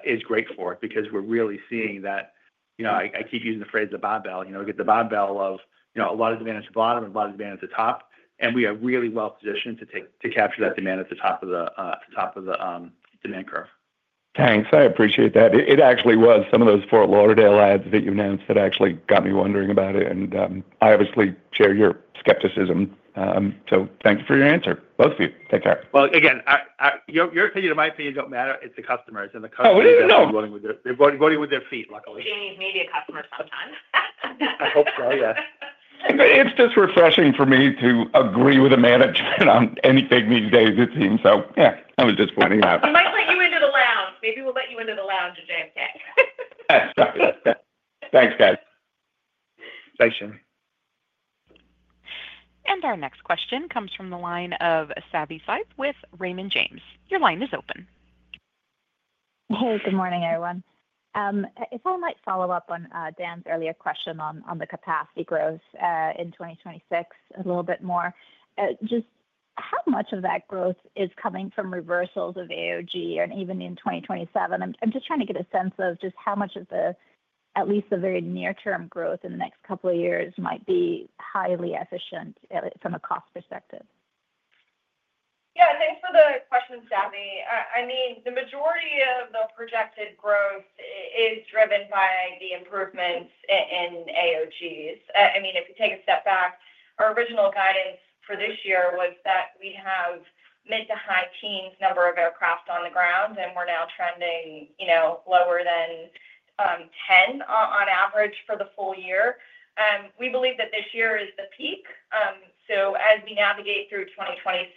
is great for it because we're really seeing that, I keep using the phrase the barbell. We get the barbell of a lot of demand at the bottom and a lot of demand at the top. We are really well positioned to capture that demand at the top of the demand curve. Thanks. I appreciate that. It actually was some of those Fort Lauderdale ads that you announced that got me wondering about it. I obviously share your skepticism. Thank you for your answer, both of you. Thanks, Art. Your opinion and my opinion don't matter. It's the customers. The customers are voting with their feet, luckily. She needs media customers sometimes. I hope so, yeah. It's just refreshing for me to agree with the management on anything these days, it seems. Yeah, I was just pointing out. We might let you into the lounge. Maybe we'll let you into the lounge at JFK. Thanks, guys. Thanks, Jamie. Our next question comes from the line of Savi Syth with Raymond James. Your line is open. Hey, good morning, everyone. If I might follow up on Dan's earlier question on the capacity growth in 2026 a little bit more, just how much of that growth is coming from reversals of AOG and even in 2027? I'm just trying to get a sense of just how much of the, at least the very near-term growth in the next couple of years might be highly efficient from a cost perspective. Yeah, and thanks for the question, Savi. The majority of the projected growth is driven by the improvements in AOGs. If you take a step back, our original guidance for this year was that we have mid to high teens number of aircraft on the ground, and we're now trending lower than 10 on average for the full year. We believe that this year is the peak. As we navigate through 2026,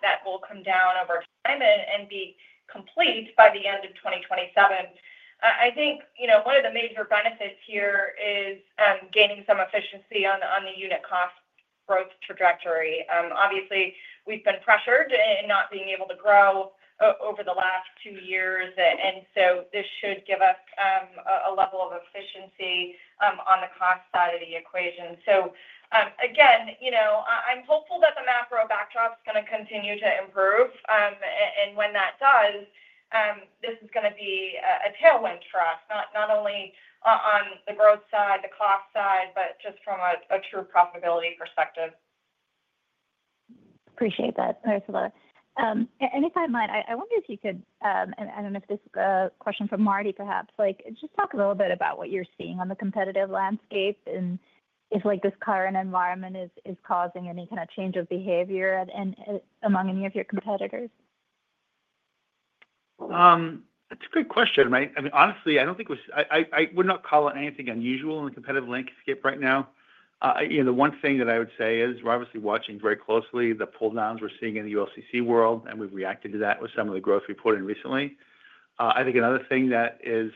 that will come down over time and be complete by the end of 2027. I think one of the major benefits here is gaining some efficiency on the unit cost growth trajectory. Obviously, we've been pressured in not being able to grow over the last two years, and this should give us a level of efficiency on the cost side of the equation. Again, I'm hopeful that the macro backdrop is going to continue to improve. When that does, this is going to be a tailwind for us, not only on the growth side, the cost side, but just from a true profitability perspective. Appreciate that. Sorry for that. If I might, I wonder if you could, and I don't know if this is a question for Marty, perhaps, just talk a little bit about what you're seeing on the competitive landscape and if this current environment is causing any kind of change of behavior among any of your competitors. That's a great question. Honestly, I don't think we're, I would not call it anything unusual in the competitive landscape right now. The one thing that I would say is we're obviously watching very closely the pull-downs we're seeing in the ULCC world, and we've reacted to that with some of the growth reporting recently. I think another thing that is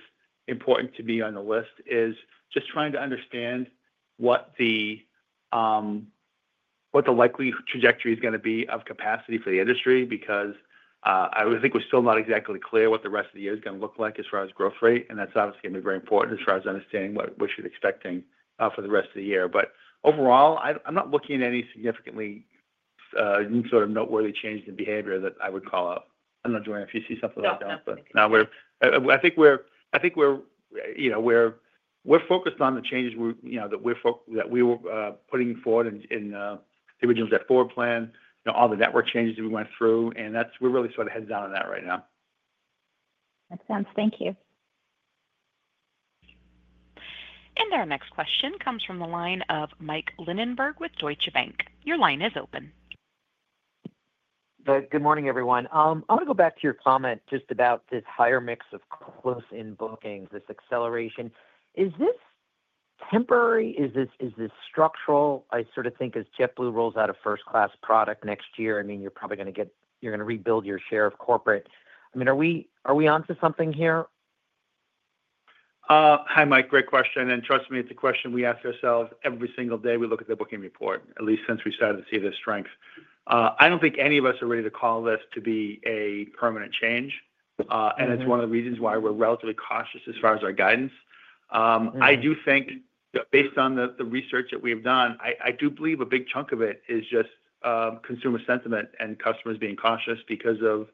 important to be on the list is just trying to understand what the likely trajectory is going to be of capacity for the industry because I think we're still not exactly clear what the rest of the year is going to look like as far as growth rate, and that's obviously going to be very important as far as understanding what we should be expecting for the rest of the year. Overall, I'm not looking at any significantly new sort of noteworthy changes in behavior that I would call out. I don't know, Joanna, if you see something like that now.I think we're focused on the changes that we're putting forward in the original JetForward plan, all the network changes that we went through, and that's what we're really sort of heads down on right now. Makes sense. Thank you. Our next question comes from the line of Mike Lindenberg with Deutsche Bank. Your line is open. Good morning, everyone. I want to go back to your comment just about this higher mix of close-in bookings, this acceleration. Is this temporary? Is this structural? I think as JetBlue rolls out a first-class product next year, you're probably going to get, you're going to rebuild your share of corporate. Are we on to something here? Hi Mike, great question. Trust me, it's a question we ask ourselves every single day we look at the booking report, at least since we started to see the strength. I don't think any of us are ready to call this to be a permanent change. It's one of the reasons why we're relatively cautious as far as our guidance. I do think, based on the research that we have done, I do believe a big chunk of it is just consumer sentiment and customers being cautious because of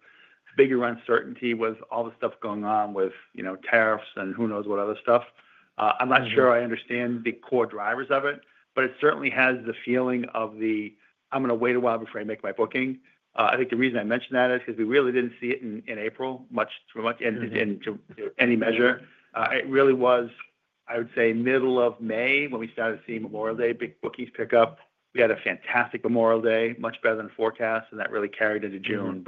bigger uncertainty with all the stuff going on with, you know, tariffs and who knows what other stuff. I'm not sure I understand the core drivers of it, but it certainly has the feeling of the, I'm going to wait a while before I make my booking. The reason I mention that is because we really didn't see it in April, much too much, and to any measure. It really was, I would say, middle of May when we started seeing Memorial Day bookings pick up. We had a fantastic Memorial Day, much better than forecast, and that really carried into June.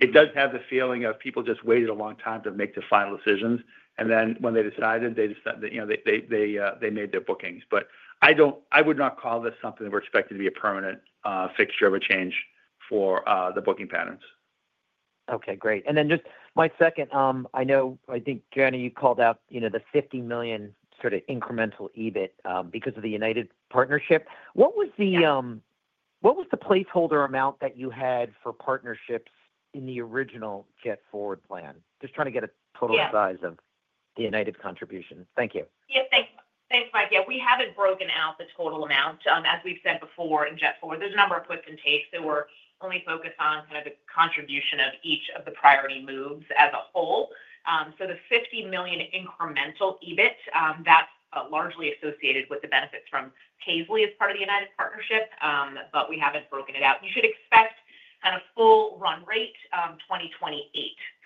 It does have the feeling of people just waited a long time to make their final decisions. When they decided, they decided, you know, they made their bookings. I don't, I would not call this something that we're expecting to be a permanent fixture of a change for the booking patterns. Okay, great. Just my second, I know, I think, Joanna, you called out the $50 million sort of incremental EBIT because of the United partnership. What was the placeholder amount that you had for partnerships in the original JetForward plan? Just trying to get a total size of the United contribution. Thank you. Yeah, thanks, thanks Mike. We haven't broken out the total amount. As we've said before in JetForward, there's a number of puts and takes that were only focused on kind of the contribution of each of the priority moves as a whole. The $50 million incremental EBIT, that's largely associated with the benefits from Paisly as part of the United partnership, but we haven't broken it out. You should expect kind of full run rate 2028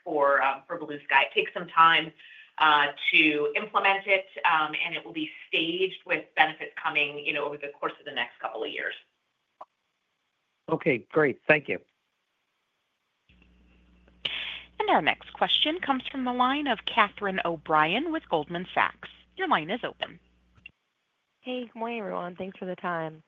for BlueSky. It takes some time to implement it, and it will be staged with benefits coming over the course of the next couple of years. Okay, great. Thank you. Our next question comes from the line of Catherine O'Brien with Goldman Sachs. Your line is open. Hey, good morning everyone. Thanks for the time.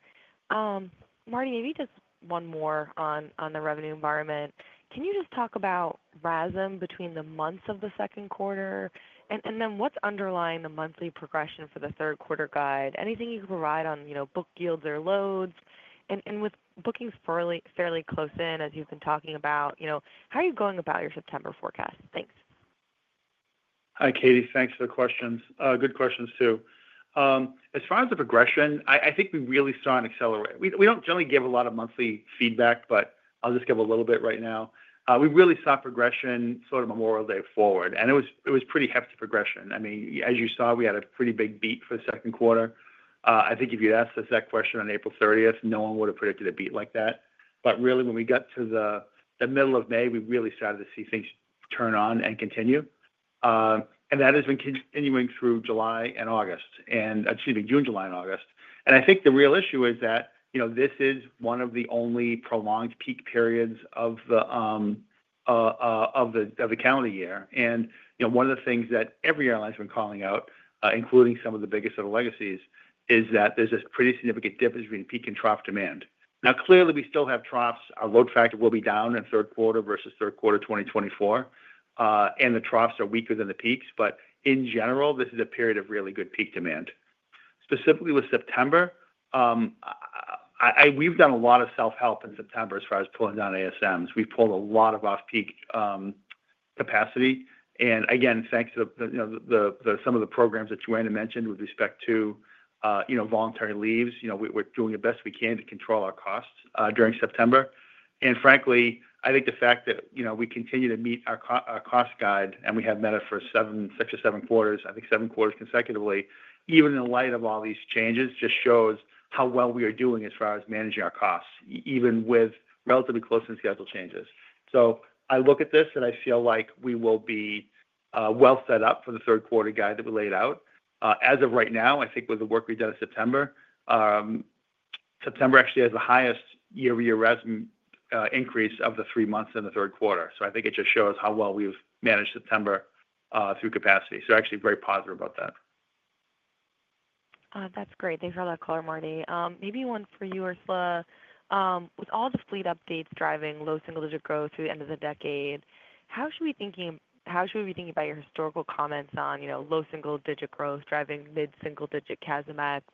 Marty, maybe just one more on the revenue environment. Can you just talk about RASM between the months of the second quarter? What's underlying the monthly progression for the third quarter guide? Anything you can provide on, you know, book yields or loads? With bookings fairly close in, as you've been talking about, how are you going about your September forecast? Thanks. Hi Katie, thanks for the questions. Good questions too. As far as the progression, I think we really saw an accelerate. We don't generally give a lot of monthly feedback, but I'll just give a little bit right now. We really saw progression sort of Memorial Day forward, and it was pretty hefty progression. I mean, as you saw, we had a pretty big beat for the second quarter. I think if you'd asked us that question on April 30th, no one would have predicted a beat like that. When we got to the middle of May, we really started to see things turn on and continue. That has been continuing through June, July, and August. I think the real issue is that, you know, this is one of the only prolonged peak periods of the calendar year. One of the things that every airline's been calling out, including some of the biggest sort of legacies, is that there's this pretty significant difference between peak and trough demand. Now, clearly, we still have troughs. Our load factor will be down in third quarter versus third quarter 2024. The troughs are weaker than the peaks, but in general, this is a period of really good peak demand. Specifically with September, we've done a lot of self-help in September as far as pulling down ASMs. We've pulled a lot of off-peak capacity. Thanks to some of the programs that Joanna mentioned with respect to, you know, voluntary leaves, you know, we're doing the best we can to control our costs during September. Frankly, I think the fact that, you know, we continue to meet our cost guide and we have met it for six or seven quarters, I think seven quarters consecutively, even in light of all these changes, just shows how well we are doing as far as managing our costs, even with relatively close-in schedule changes. I look at this and I feel like we will be well set up for the third quarter guide that we laid out. As of right now, I think with the work we've done in September, September actually has the highest year-over-year RASM increase of the three months in the third quarter. I think it just shows how well we've managed September through capacity. Actually very positive about that. That's great. Thanks for all that color, Marty. Maybe one for you, Ursula. With all the fleet updates driving low single-digit growth through the end of the decade, how should we be thinking about your historical comments on, you know, low single-digit growth driving mid-single-digit CASM-ex?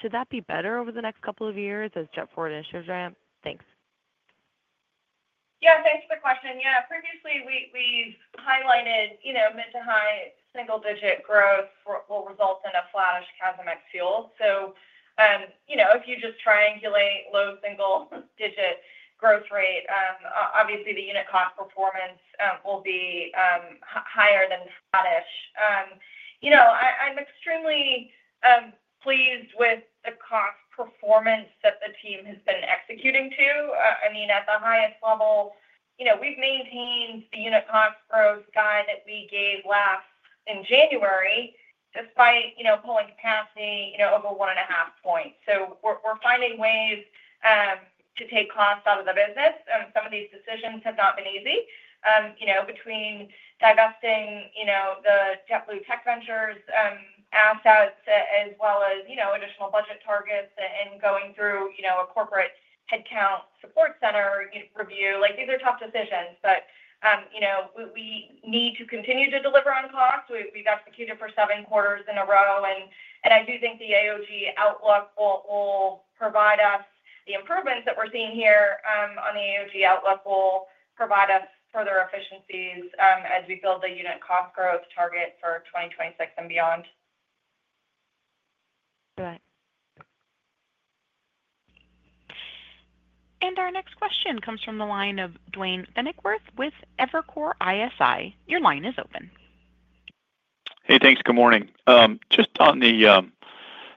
Should that be better over the next couple of years as JetForward initiatives ramp? Thanks. Yeah, thanks for the question. Previously we've highlighted, you know, mid to high single-digit growth will result in a flattish CASM ex-fuel. If you just triangulate low single-digit growth rate, obviously the unit cost performance will be higher than flattish. I'm extremely pleased with the cost performance that the team has been executing to. At the highest level, we've maintained the unit cost growth guide that we gave last in January, despite pulling capacity over 1.5 points. We're finding ways to take costs out of the business. Some of these decisions have not been easy, between divesting the JetBlue Tech Ventures assets as well as additional budget targets and going through a corporate headcount support center review. These are tough decisions, but we need to continue to deliver on costs. We've executed for seven quarters in a row, and I do think the AOG outlook will provide us the improvements that we're seeing here on the AOG outlook will provide us further efficiencies as we build the unit cost growth target for 2026 and beyond. Our next question comes from the line of Duane Pfennigwerth with Evercore ISI. Your line is open. Hey, thanks. Good morning. On the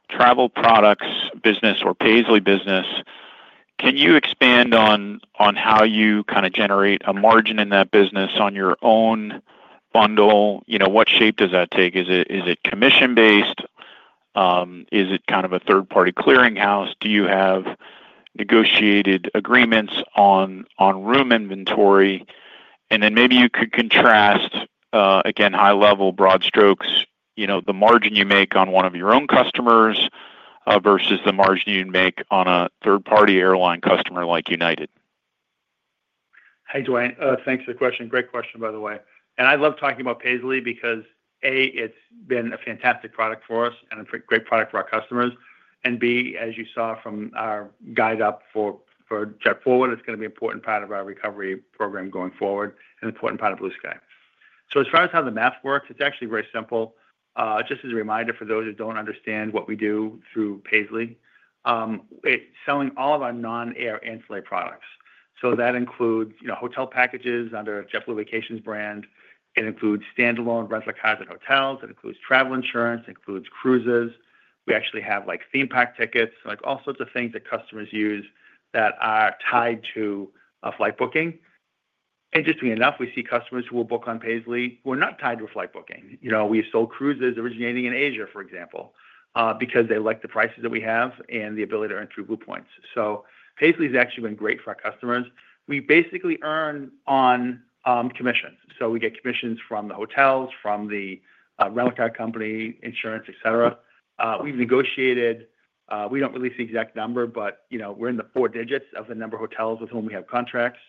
travel products business or Paisly business, can you expand on how you kind of generate a margin in that business on your own bundle? What shape does that take? Is it commission-based? Is it kind of a third-party clearinghouse? Do you have negotiated agreements on room inventory? Maybe you could contrast, again, high-level broad strokes, the margin you make on one of your own customers versus the margin you'd make on a third-party airline customer like United. Hey, Duane. Thanks for the question. Great question, by the way. I love talking about Paisly because, A, it's been a fantastic product for us and a great product for our customers. B, as you saw from our guide up for JetForward, it's going to be an important part of our recovery program going forward and an important part of BlueSky. As far as how the math works, it's actually very simple. Just as a reminder for those who don't understand what we do through Paisly, it's selling all of our non-air ancillary products. That includes, you know, hotel packages under JetBlue Vacations brand. It includes standalone rental cars and hotels. It includes travel insurance. It includes cruises. We actually have theme park tickets, all sorts of things that customers use that are tied to a flight booking. Just to be clear, we see customers who will book on Paisly who are not tied to a flight booking. We have sold cruises originating in Asia, for example, because they like the prices that we have and the ability to earn TrueBlue points. Paisly's actually been great for our customers. We basically earn on commissions. We get commissions from the hotels, from the rental car company, insurance, etc. We've negotiated, we don't release the exact number, but we're in the four digits of the number of hotels with whom we have contracts,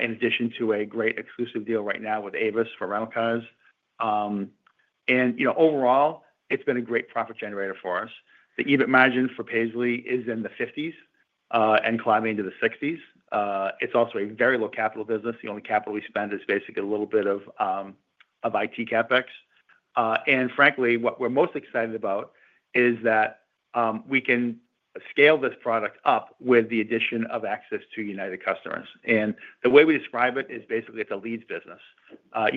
in addition to a great exclusive deal right now with Avis for rental cars. Overall, it's been a great profit generator for us. The EBIT margin for Paisly is in the 50% range and climbing into the 60% range. It's also a very low capital business. The only capital we spend is basically a little bit of IT CapEx. Frankly, what we're most excited about is that we can scale this product up with the addition of access to United customers. The way we describe it is basically it's a leads business.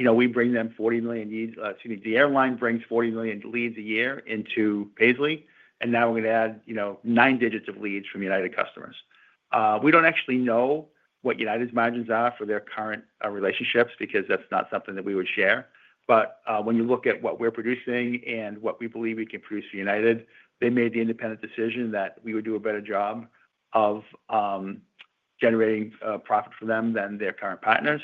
We bring them 40 million leads, excuse me, the airline brings 40 million leads a year into Paisly, and now we're going to add, you know, nine digits of leads from United customers. We don't actually know what United's margins are for their current relationships because that's not something that we would share. When you look at what we're producing and what we believe we can produce for United, they made the independent decision that we would do a better job of generating profit for them than their current partners.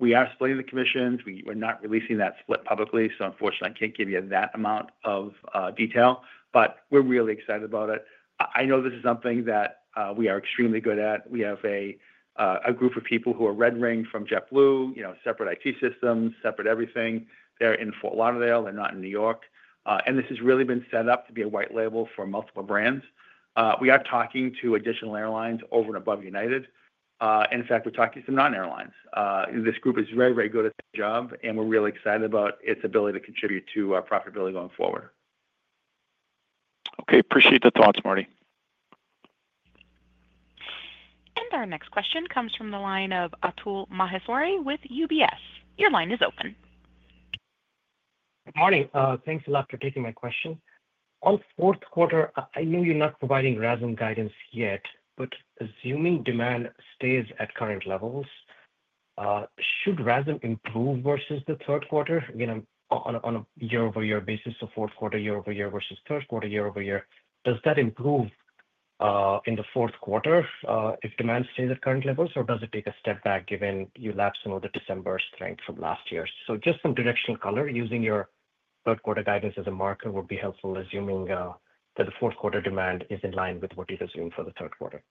We are splitting the commissions. We're not releasing that split publicly, so unfortunately, I can't give you that amount of detail. We're really excited about it. I know this is something that we are extremely good at. We have a group of people who are red-ringed from JetBlue, you know, separate IT systems, separate everything. They're in Fort Lauderdale, not in New York. This has really been set up to be a white label for multiple brands. We are talking to additional airlines over and above United Airlines. In fact, we're talking to non-airlines. This group is very, very good at the job, and we're really excited about its ability to contribute to our profitability going forward. Okay, appreciate the thoughts, Marty. Our next question comes from the line of Atul Maheswari with UBS. Your line is open. Marty, thanks a lot for taking my question. On the fourth quarter, I know you're not providing RASM guidance yet, but assuming demand stays at current levels, should RASM improve versus the third quarter? On a year-over-year basis, so fourth quarter year-over-year versus third quarter year-over-year, does that improve in the fourth quarter if demand stays at current levels, or does it take a step back given you lapsed some of the December strength from last year? Just some direction and color, using your third quarter guidance as a marker would be helpful, assuming that the fourth quarter demand is in line with what you're assuming for the third quarter.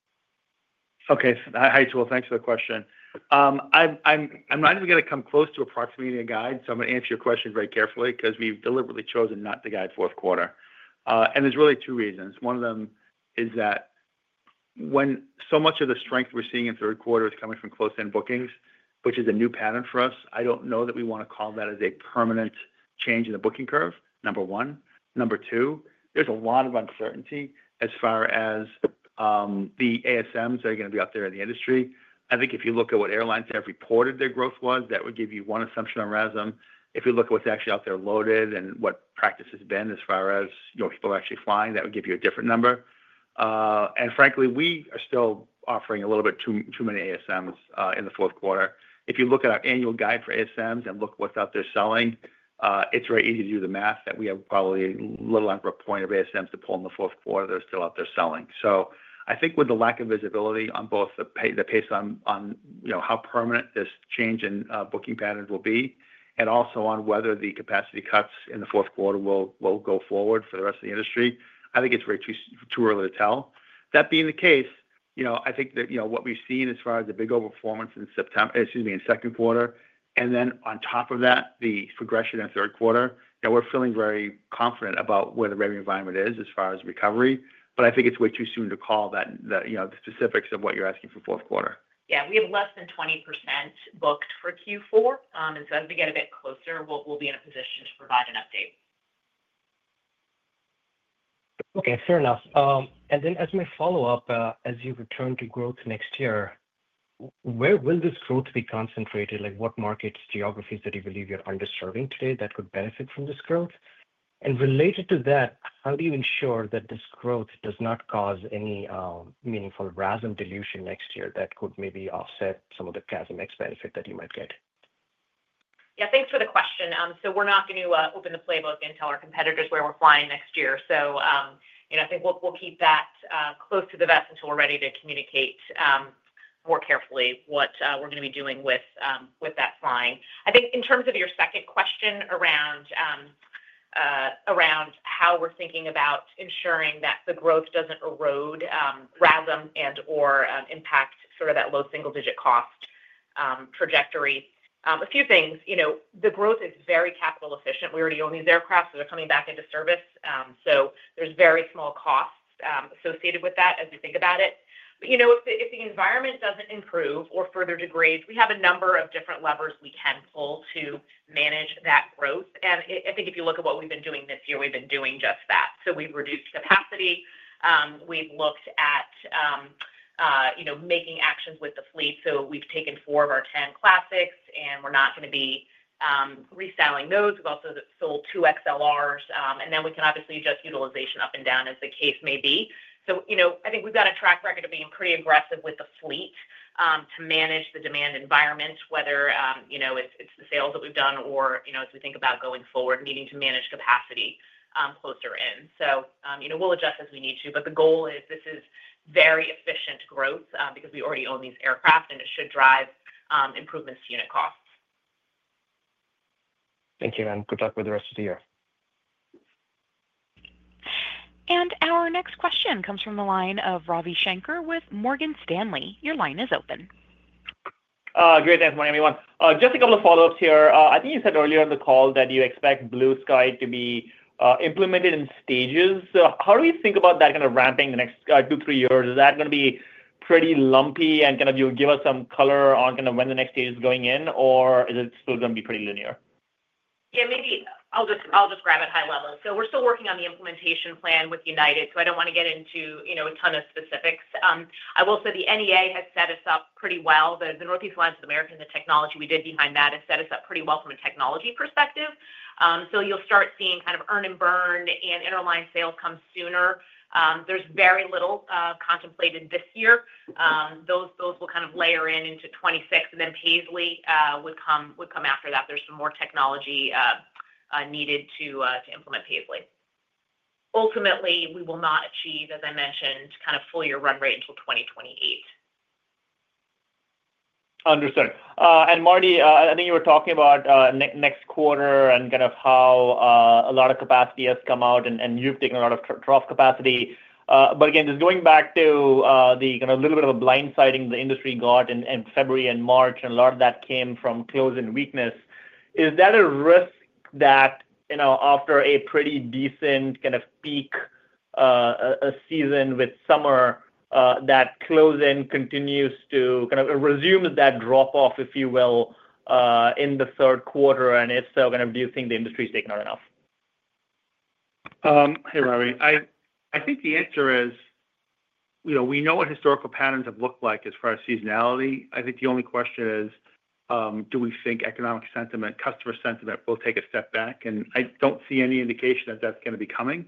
Okay, hi Atul, thanks for the question. I'm not even going to come close to approximating a guide, so I'm going to answer your question very carefully because we've deliberately chosen not to guide fourth quarter. There are really two reasons. One of them is that when so much of the strength we're seeing in third quarter is coming from close-in bookings, which is a new pattern for us, I don't know that we want to call that a permanent change in the booking curve, number one. Number two, there's a lot of uncertainty as far as the ASMs that are going to be out there in the industry. I think if you look at what airlines have reported their growth was, that would give you one assumption on RASM. If you look at what's actually out there loaded and what practice has been as far as, you know, people are actually flying, that would give you a different number. Frankly, we are still offering a little bit too many ASMs in the fourth quarter. If you look at our annual guide for ASMs and look at what's out there selling, it's very easy to do the math that we have probably a little under 1 point of ASMs to pull in the fourth quarter that are still out there selling. I think with the lack of visibility on both the pace on, you know, how permanent this change in booking patterns will be, and also on whether the capacity cuts in the fourth quarter will go forward for the rest of the industry, I think it's way too early to tell. That being the case, you know, I think that what we've seen as far as the big overperformance in September, excuse me, in second quarter, and then on top of that, the progression in third quarter, we're feeling very confident about where the revenue environment is as far as recovery. I think it's way too soon to call that, you know, the specifics of what you're asking for fourth quarter. We have less than 20% booked for Q4. As we get a bit closer, we'll be in a position to provide an update. Okay, fair enough. As my follow-up, as you return to growth next year, where will this growth be concentrated? What markets, geographies that you believe you're underserving today that could benefit from this growth? Related to that, how do you ensure that this growth does not cause any meaningful RASM dilution next year that could maybe offset some of the CASM-ex benefit that you might get? Yeah, thanks for the question. We're not going to open the playbook and tell our competitors where we're flying next year. I think we'll keep that close to the vest until we're ready to communicate more carefully what we're going to be doing with that flying. In terms of your second question around how we're thinking about ensuring that the growth doesn't erode RASM and/or impact sort of that low single-digit cost trajectory, a few things. The growth is very capital efficient. We already own these aircraft that are coming back into service, so there's very small costs associated with that as we think about it. If the environment doesn't improve or further degrades, we have a number of different levers we can pull to manage that growth. If you look at what we've been doing this year, we've been doing just that. We've reduced capacity. We've looked at making actions with the fleet. We've taken four of our 10 classics, and we're not going to be reselling those. We've also sold two XLRs, and then we can obviously adjust utilization up and down as the case may be. I think we've got a track record of being pretty aggressive with the fleet to manage the demand environment, whether it's the sales that we've done or, as we think about going forward, needing to manage capacity closer in. We'll adjust as we need to, but the goal is this is very efficient growth because we already own these aircraft, and it should drive improvements to unit costs. Thank you, and good luck with the rest of the year. Our next question comes from the line of Ravi Shanker with Morgan Stanley. Your line is open. Great, thanks, Marty, everyone. Just a couple of follow-ups here. I think you said earlier in the call that you expect BlueSky to be implemented in stages. How do you think about that kind of ramping the next two, three years? Is that going to be pretty lumpy and you'll give us some color on when the next stage is going in, or is it still going to be pretty linear? Yeah, maybe I'll just grab it high level. We're still working on the implementation plan with United, so I don't want to get into a ton of specifics. I will say the NEA has set us up pretty well. The Northeast Alliance of America, the technology we did behind that, has set us up pretty well from a technology perspective. You'll start seeing kind of earn and burn and interline sales come sooner. There's very little contemplated this year. Those will kind of layer in into 2026, and then Paisly would come after that. There's some more technology needed to implement Paisly. Ultimately, we will not achieve, as I mentioned, kind of full-year run rate until 2028. Understood. Marty, I think you were talking about next quarter and kind of how a lot of capacity has come out, and you've taken a lot of trough capacity. Again, just going back to the kind of a little bit of a blindsiding the industry got in February and March, a lot of that came from close-in weakness. Is that a risk that, you know, after a pretty decent kind of peak season with summer, that close-in continues to kind of resume that drop-off, if you will, in the third quarter? If so, do you think the industry's taken on enough? Hey, Ravi. I think the answer is, you know, we know what historical patterns have looked like as far as seasonality. I think the only question is, do we think economic sentiment, customer sentiment, will take a step back? I don't see any indication that that's going to be coming.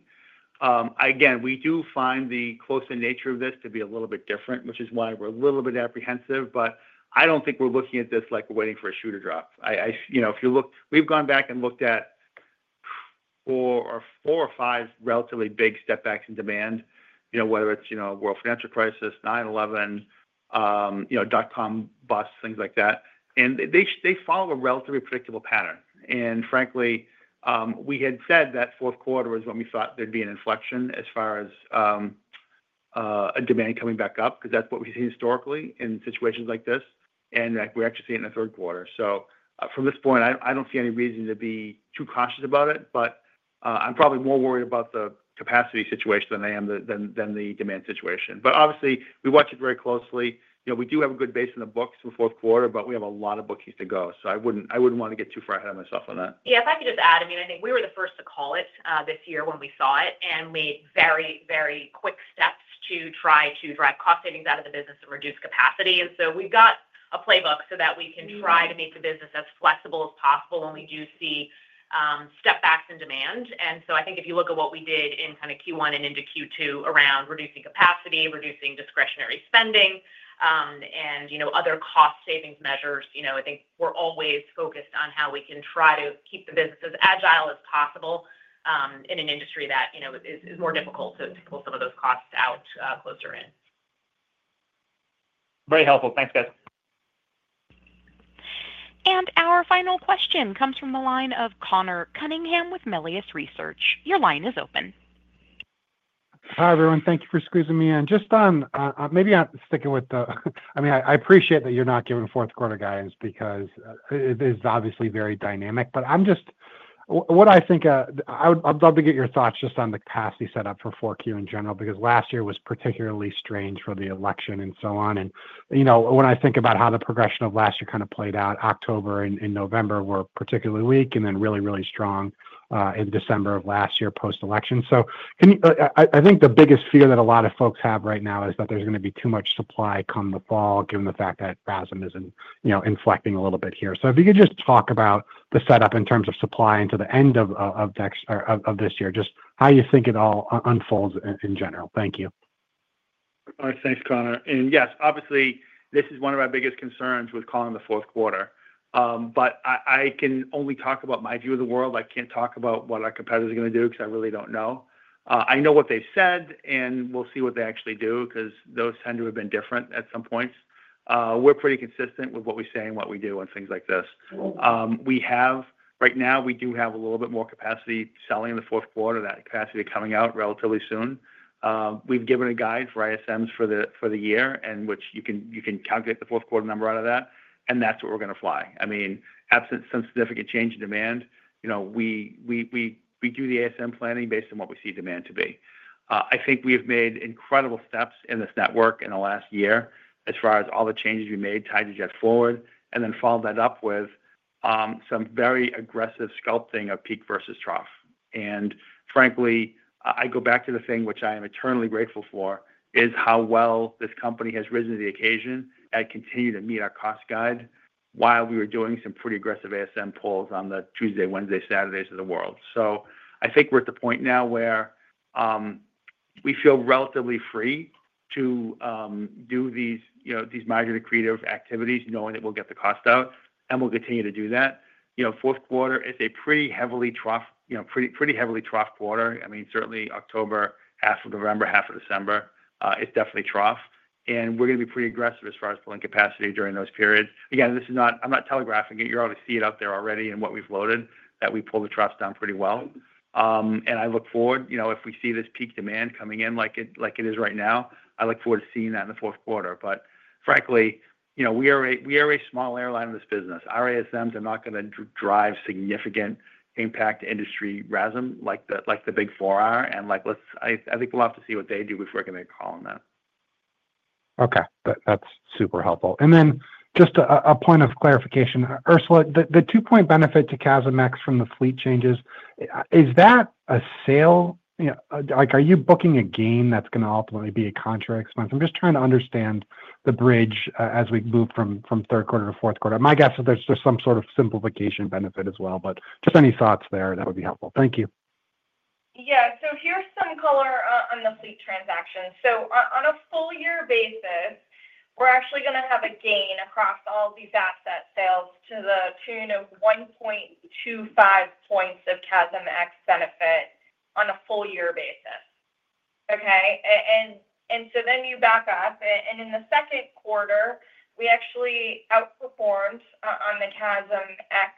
Again, we do find the close-in nature of this to be a little bit different, which is why we're a little bit apprehensive. I don't think we're looking at this like we're waiting for a shoe to drop. You know, if you look, we've gone back and looked at four or five relatively big stepbacks in demand, whether it's a world financial crisis, 9/11, dot-com bust, things like that. They follow a relatively predictable pattern. Frankly, we had said that fourth quarter is when we thought there'd be an inflection as far as demand coming back up, because that's what we see historically in situations like this. We're actually seeing it in the third quarter. From this point, I don't see any reason to be too cautious about it, but I'm probably more worried about the capacity situation than I am the demand situation. Obviously, we watch it very closely. We do have a good base in the books in the fourth quarter, but we have a lot of bookings to go. I wouldn't want to get too far ahead of myself on that. Yeah, if I could just add, I mean, I think we were the first to call it this year when we saw it and made very, very quick steps to try to drive cost savings out of the business and reduce capacity. We've got a playbook so that we can try to make the business as flexible as possible when we do see stepbacks in demand. I think if you look at what we did in kind of Q1 and into Q2 around reducing capacity, reducing discretionary spending, and other cost savings measures, I think we're always focused on how we can try to keep the business as agile as possible in an industry that is more difficult to pull some of those costs out closer in. Very helpful. Thanks, guys. Our final question comes from the line of Connor Cunningham with Melius Research. Your line is open. Hi, everyone. Thank you for squeezing me in. I appreciate that you're not giving fourth quarter guidance because it is obviously very dynamic. I'd love to get your thoughts just on the capacity setup for 4Q in general, because last year was particularly strange for the election and so on. When I think about how the progression of last year kind of played out, October and November were particularly weak and then really, really strong in December of last year post-election. Can you, I think the biggest fear that a lot of folks have right now is that there's going to be too much supply come the fall, given the fact that RASM isn't inflecting a little bit here. If you could just talk about the setup in terms of supply into the end of this year, just how you think it all unfolds in general. Thank you. Oh, thanks, Connor. Yes, obviously, this is one of our biggest concerns with calling the fourth quarter. I can only talk about my view of the world. I can't talk about what our competitors are going to do because I really don't know. I know what they've said, and we'll see what they actually do because those tend to have been different at some points. We're pretty consistent with what we say and what we do on things like this. Right now, we do have a little bit more capacity selling in the fourth quarter. That capacity is coming out relatively soon. We've given a guide for ASMs for the year, in which you can calculate the fourth quarter number out of that. That's what we're going to fly. I mean, absent some significant change in demand, we do the ASM planning based on what we see demand to be. I think we've made incredible steps in this network in the last year as far as all the changes we made tied to JetForward and then followed that up with some very aggressive sculpting of peak versus trough. Frankly, I go back to the thing which I am eternally grateful for is how well this company has risen to the occasion and continued to meet our cost guide while we were doing some pretty aggressive ASM pulls on the Tuesday, Wednesday, Saturdays of the world. I think we're at the point now where we feel relatively free to do these major creative activities knowing that we'll get the cost out and we'll continue to do that. Fourth quarter is a pretty heavily trough, pretty heavily trough quarter. Certainly October, half of November, half of December is definitely trough. We're going to be pretty aggressive as far as pulling capacity during those periods. This is not, I'm not telegraphing it. You already see it out there already in what we've loaded that we pull the troughs down pretty well. I look forward, if we see this peak demand coming in like it is right now, I look forward to seeing that in the fourth quarter. Frankly, we are a small airline in this business. Our ASMs are not going to drive significant impact to industry rhythm like the big four are. I think we'll have to see what they do before I can make a call on that. Okay, that's super helpful. Just a point of clarification, Ursula, the 2% benefit to CASM-ex from the fleet changes, is that a sale? You know, like are you booking a gain that's going to ultimately be a contract expense? I'm just trying to understand the bridge as we move from third quarter to fourth quarter. My guess is there's some sort of simplification benefit as well, but just any thoughts there that would be helpful. Thank you. Yeah, so here's some color on the fleet transaction. On a full year basis, we're actually going to have a gain across all these asset sales to the tune of 1.25% of CASM-ex benefit on a full year basis. Okay, and then you back up and in the second quarter, we actually outperformed on the CASM-ex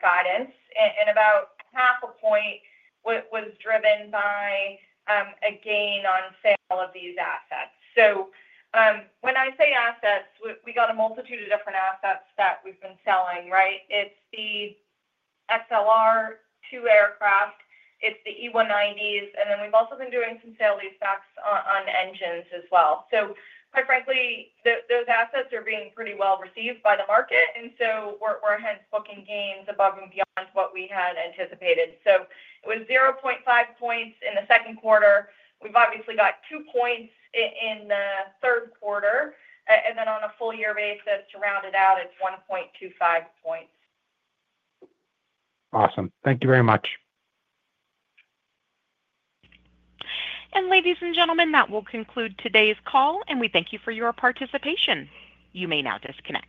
guidance and about 0.5 point was driven by a gain on sale of these assets. When I say assets, we got a multitude of different assets that we've been selling, right? It's the SLR, two aircraft, it's the E190s, and then we've also been doing some sale leasebacks on engines as well. Quite frankly, those assets are being pretty well received by the market, and we're hence booking gains above and beyond what we had anticipated. It was 0.5% in the second quarter. We've obviously got 2 points in the third quarter, and then on a full year basis to round it out, it's 1.25 points. Awesome. Thank you very much. Ladies and gentlemen, that will conclude today's call, and we thank you for your participation. You may now disconnect.